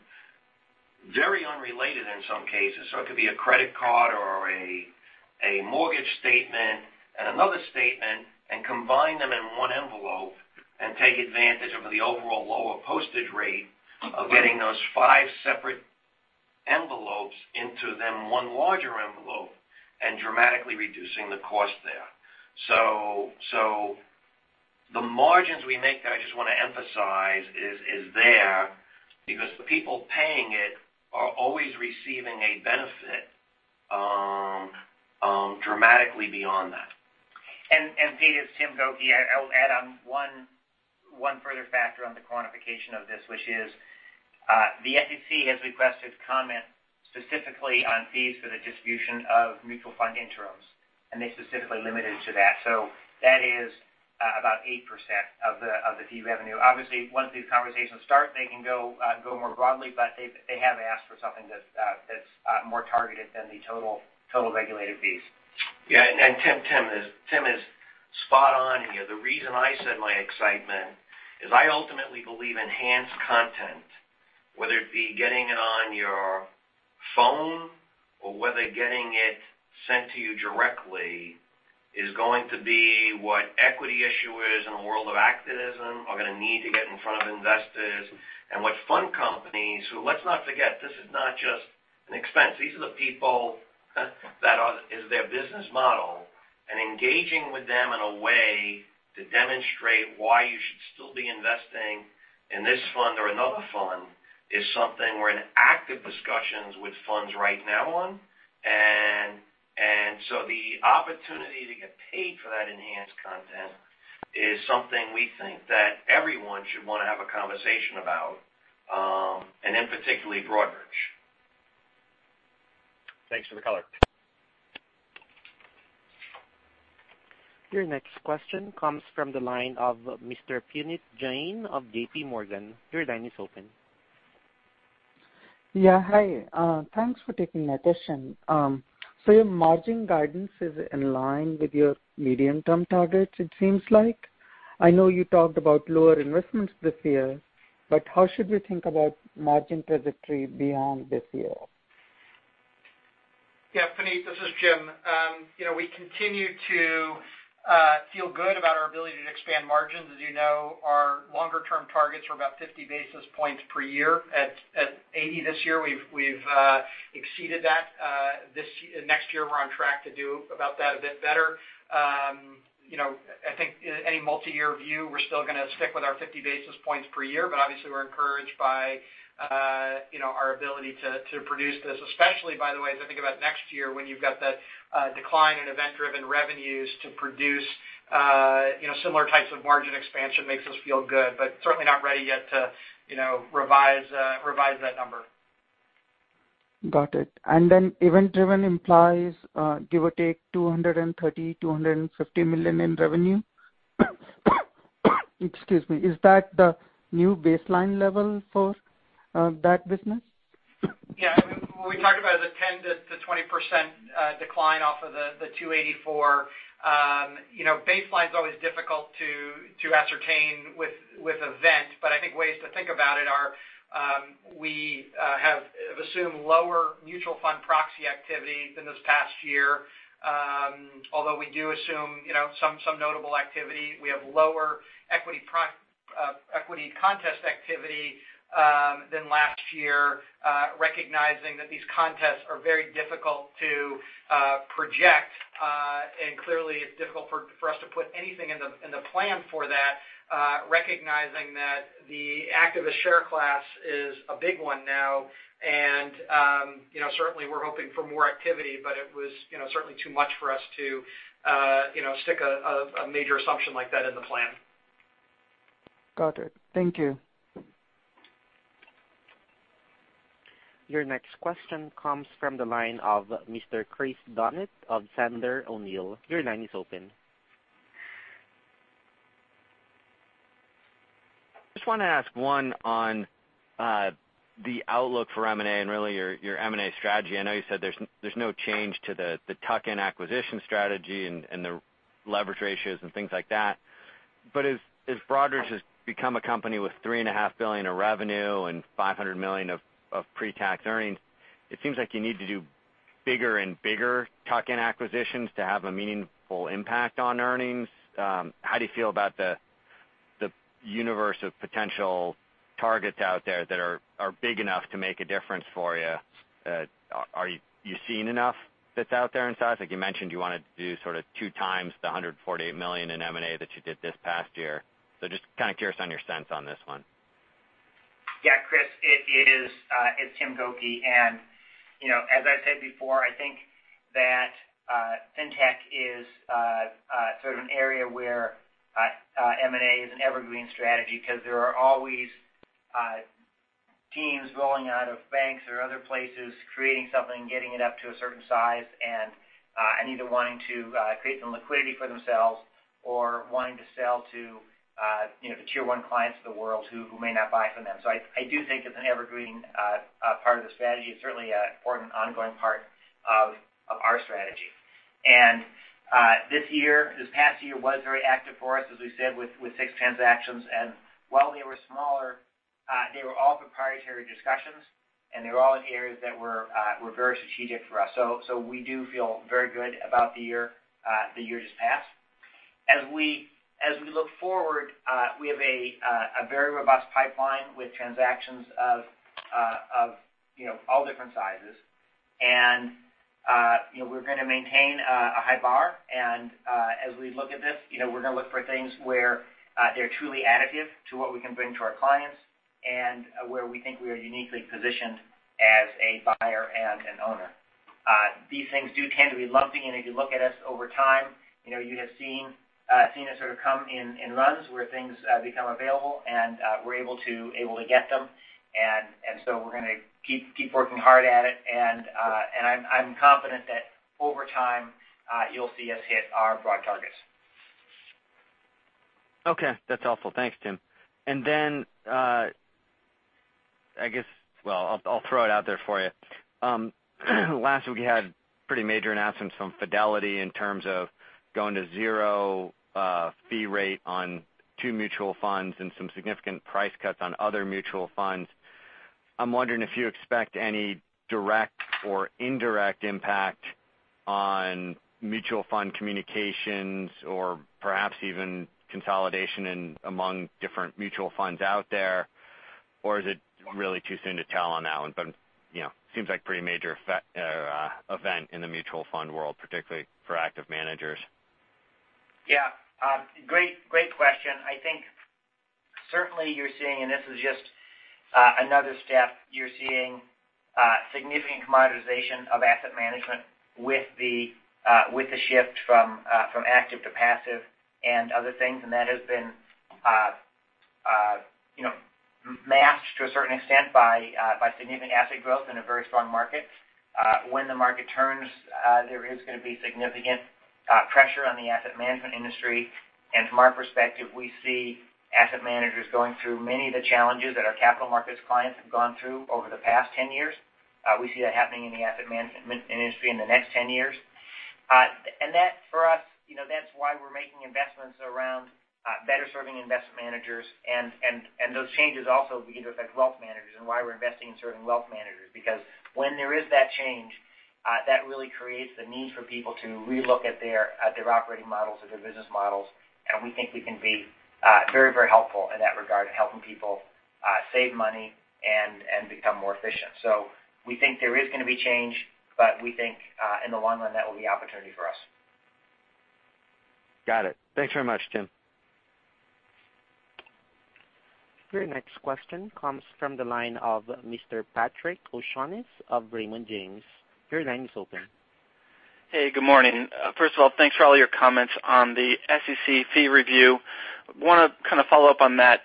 very unrelated in some cases. It could be a credit card or a mortgage statement and another statement, and combine them in one envelope and take advantage of the overall lower postage rate of getting those five separate envelopes into then one larger envelope and dramatically reducing the cost there. The margins we make there, I just want to emphasize, is there because the people paying it are always receiving a benefit dramatically beyond that. Pete, it's Tim Gokey. I'll add on one further factor on the quantification of this, which is the SEC has requested comment specifically on fees for the distribution of mutual fund interims, and they specifically limited it to that. That is about 8% of the fee revenue. Obviously, once these conversations start, they can go more broadly, but they have asked for something that's more targeted than the total regulated fees. Yeah. Tim is spot on here. The reason I said my excitement is I ultimately believe enhanced content, whether it be getting it on your phone or whether getting it sent to you directly, is going to be what equity issuers in a world of activism are going to need to get in front of investors. What fund companies, who let's not forget, this is not just an expense. These are the people that is their business model, and engaging with them in a way to demonstrate why you should still be investing in this fund or another fund is something we're in active discussions with funds right now on. The opportunity to get paid for that enhanced content is something we think that everyone should want to have a conversation about, and in particular, Broadridge. Thanks for the color. Your next question comes from the line of Mr. Puneet Jain of JPMorgan. Your line is open. Yeah. Hi. Thanks for taking my question. Your margin guidance is in line with your medium-term targets, it seems like. I know you talked about lower investments this year, how should we think about margin trajectory beyond this year? Yeah, Puneet, this is Jim. We continue to feel good about our ability to expand margins. As you know, our longer-term targets were about 50 basis points per year. At 80 this year, we've exceeded that. Next year, we're on track to do about that a bit better. I think any multi-year view, we're still going to stick with our 50 basis points per year. Obviously, we're encouraged by our ability to produce this, especially, by the way, as I think about next year, when you've got the decline in event-driven revenues to produce similar types of margin expansion makes us feel good. Certainly not ready yet to revise that number. Got it. Event-driven implies give or take $230 million-$250 million in revenue. Excuse me. Is that the new baseline level for that business? Yeah. We talked about a 10%-20% decline off of the $284. Baseline's always difficult to ascertain with event, but I think ways to think about it are, we have assumed lower mutual fund proxy activity than this past year. Although we do assume some notable activity. We have lower equity contest activity than last year, recognizing that these contests are very difficult to project. Clearly, it's difficult for us to put anything in the plan for that, recognizing that the activist share class is a big one now. Certainly, we're hoping for more activity, it was certainly too much for us to stick a major assumption like that in the plan. Got it. Thank you. Your next question comes from the line of Mr. Chris Donat of Sandler O'Neill. Your line is open. Just want to ask one on the outlook for M&A and really your M&A strategy. I know you said there's no change to the tuck-in acquisition strategy and the leverage ratios and things like that. As Broadridge has become a company with $3.5 billion of revenue and $500 million of pre-tax earnings, it seems like you need to do bigger and bigger tuck-in acquisitions to have a meaningful impact on earnings. How do you feel about the universe of potential targets out there that are big enough to make a difference for you? Are you seeing enough that's out there in size? I think you mentioned you want to do sort of 2 times the $148 million in M&A that you did this past year. Just kind of curious on your sense on this one. Yeah, Chris Donat, it is. It's Tim Gokey. As I've said before, I think that Fintech is sort of an area where M&A is an evergreen strategy because there are always teams rolling out of banks or other places creating something, getting it up to a certain size, and either wanting to create some liquidity for themselves or wanting to sell to the Tier 1 clients of the world who may not buy from them. I do think it's an evergreen part of the strategy. It's certainly an important ongoing part of our strategy. This past year was very active for us, as we said, with six transactions. While they were smaller, they were all proprietary discussions, and they were all in areas that were very strategic for us. We do feel very good about the year just passed. As we look forward, we have a very robust pipeline with transactions of all different sizes. We're going to maintain a high bar. As we look at this, we're going to look for things where they're truly additive to what we can bring to our clients and where we think we are uniquely positioned as a buyer and an owner. These things do tend to be lumpy. If you look at us over time, you have seen us sort of come in runs where things become available, and we're able to get them. We're going to keep working hard at it. I'm confident that over time you'll see us hit our broad targets. Okay. That's helpful. Thanks, Tim. I guess, well, I'll throw it out there for you. Last week you had pretty major announcements from Fidelity in terms of going to zero fee rate on two mutual funds and some significant price cuts on other mutual funds. I'm wondering if you expect any direct or indirect impact on mutual fund communications or perhaps even consolidation among different mutual funds out there. Is it really too soon to tell on that one? Seems like pretty major event in the mutual fund world, particularly for active managers. Yeah. Great question. I think certainly you're seeing, and this is just another step, you're seeing significant commoditization of asset management with the shift from active to passive and other things. That has been masked to a certain extent by significant asset growth in a very strong market. When the market turns, there is going to be significant pressure on the asset management industry. From our perspective, we see asset managers going through many of the challenges that our capital markets clients have gone through over the past 10 years. We see that happening in the asset management industry in the next 10 years. That for us, that's why we're making investments around better serving investment managers. Those changes also affect wealth managers and why we're investing in certain wealth managers. When there is that change, that really creates the need for people to relook at their operating models or their business models. We think we can be very, very helpful in that regard in helping people save money and become more efficient. We think there is going to be change, but we think in the long run, that will be opportunity for us. Got it. Thanks very much, Tim. Your next question comes from the line of Mr. Patrick O'Shaughnessy of Raymond James. Your line is open. Hey, good morning. First of all, thanks for all your comments on the SEC fee review. Want to kind of follow up on that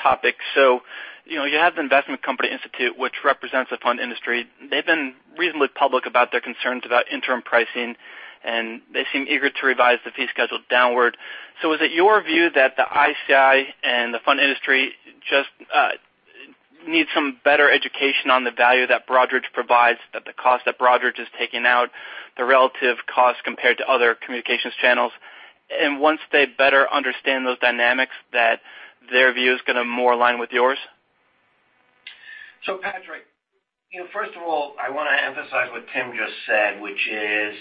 topic. You have the Investment Company Institute, which represents the fund industry. They've been reasonably public about their concerns about interim pricing. They seem eager to revise the fee schedule downward. Is it your view that the ICI and the fund industry just need some better education on the value that Broadridge provides, that the cost that Broadridge is taking out, the relative cost compared to other communications channels. Once they better understand those dynamics, that their view is going to more align with yours? Patrick, first of all, I want to emphasize what Tim just said, which is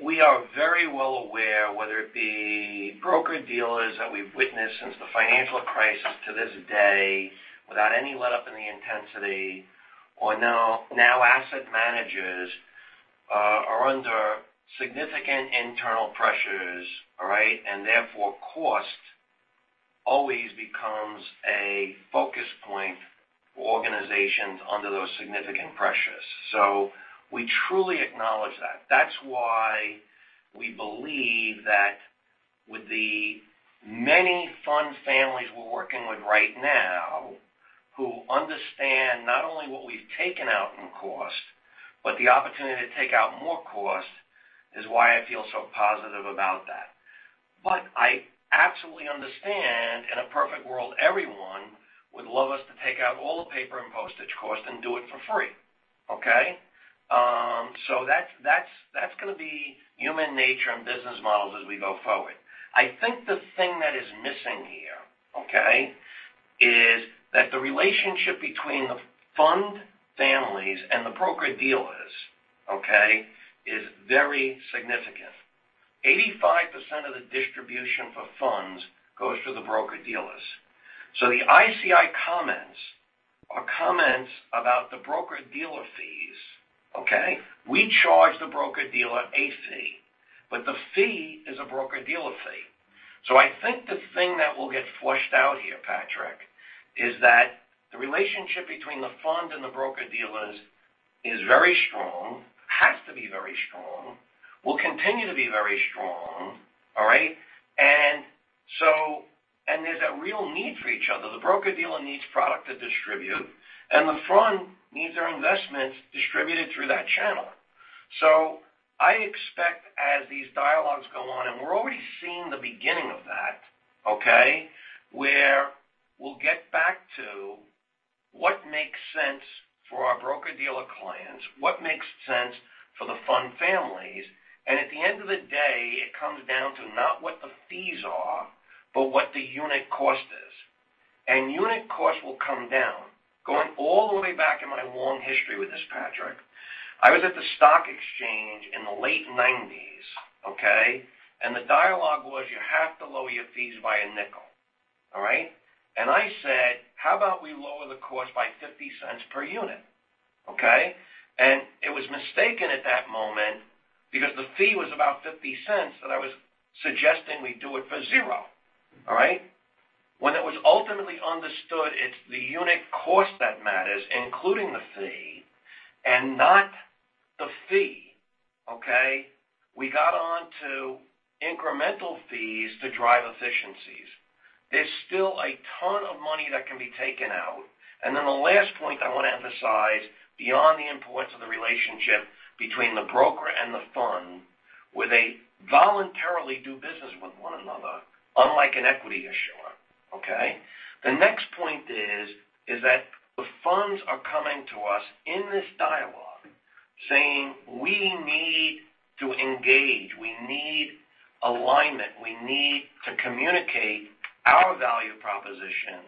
we are very well aware whether it be the broker-dealers that we've witnessed since the financial crisis to this day, without any letup in the intensity are now asset managers, are under significant internal pressures. Therefore, cost always becomes a focus point for organizations under those significant pressures. We truly acknowledge that. That's why we believe that with the many fund families we're working with right now, who understand not only what we've taken out in cost, but the opportunity to take out more cost is why I feel so positive about that. I absolutely understand, in a perfect world, everyone would love us to take out all the paper and postage costs and do it for free. Okay? That's going to be human nature and business models as we go forward. I think the thing that is missing here, is that the relationship between the fund families and the broker-dealers is very significant. 85% of the distribution for funds goes to the broker-dealers. The ICI comments are comments about the broker-dealer fees. We charge the broker-dealer a fee, but the fee is a broker-dealer fee. I think the thing that will get flushed out here, Patrick, is that the relationship between the fund and the broker-dealers is very strong, has to be very strong, will continue to be very strong. There's a real need for each other. The broker-dealer needs product to distribute, and the fund needs their investments distributed through that channel. I expect as these dialogues go on, and we're already seeing the beginning of that, where we'll get back to what makes sense for our broker-dealer clients, what makes sense for the fund families, and at the end of the day, it comes down to not what the fees are, but what the unit cost is. Unit cost will come down. Going all the way back in my long history with this, Patrick, I was at the stock exchange in the late 1990s, the dialogue was, you have to lower your fees by a nickel. All right? I said, "How about we lower the cost by $0.50 per unit?" It was mistaken at that moment because the fee was about $0.50, that I was suggesting we do it for zero. When it was ultimately understood it's the unit cost that matters, including the fee, and not the fee. We got onto incremental fees to drive efficiencies. There's still a ton of money that can be taken out. The last point I want to emphasize, beyond the importance of the relationship between the broker and the fund, where they voluntarily do business with one another, unlike an equity issuer. The next point is that the funds are coming to us in this dialogue saying, "We need to engage. We need alignment. We need to communicate our value proposition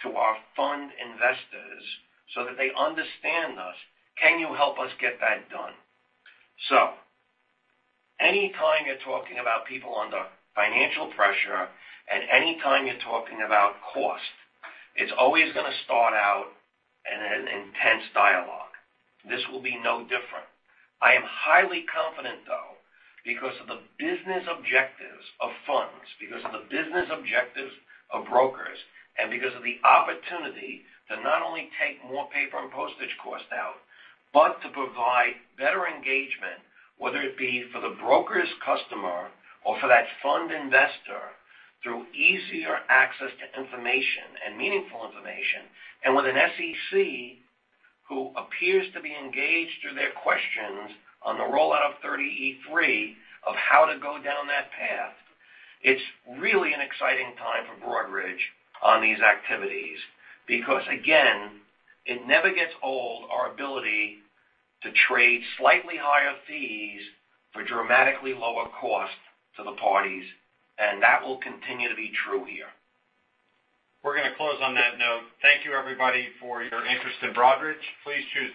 to our fund investors so that they understand us. Can you help us get that done?" Anytime you're talking about people under financial pressure, and anytime you're talking about cost, it's always going to start out in an intense dialogue. This will be no different. I am highly confident, though, because of the business objectives of funds, because of the business objectives of brokers, and because of the opportunity to not only take more paper and postage cost out, but to provide better engagement, whether it be for the broker's customer or for that fund investor, through easier access to information and meaningful information. With an SEC who appears to be engaged through their questions on the rollout of 30e-3 of how to go down that path. It's really an exciting time for Broadridge on these activities because, again, it never gets old, our ability to trade slightly higher fees for dramatically lower cost to the parties, and that will continue to be true here. We're going to close on that note. Thank you, everybody, for your interest in Broadridge.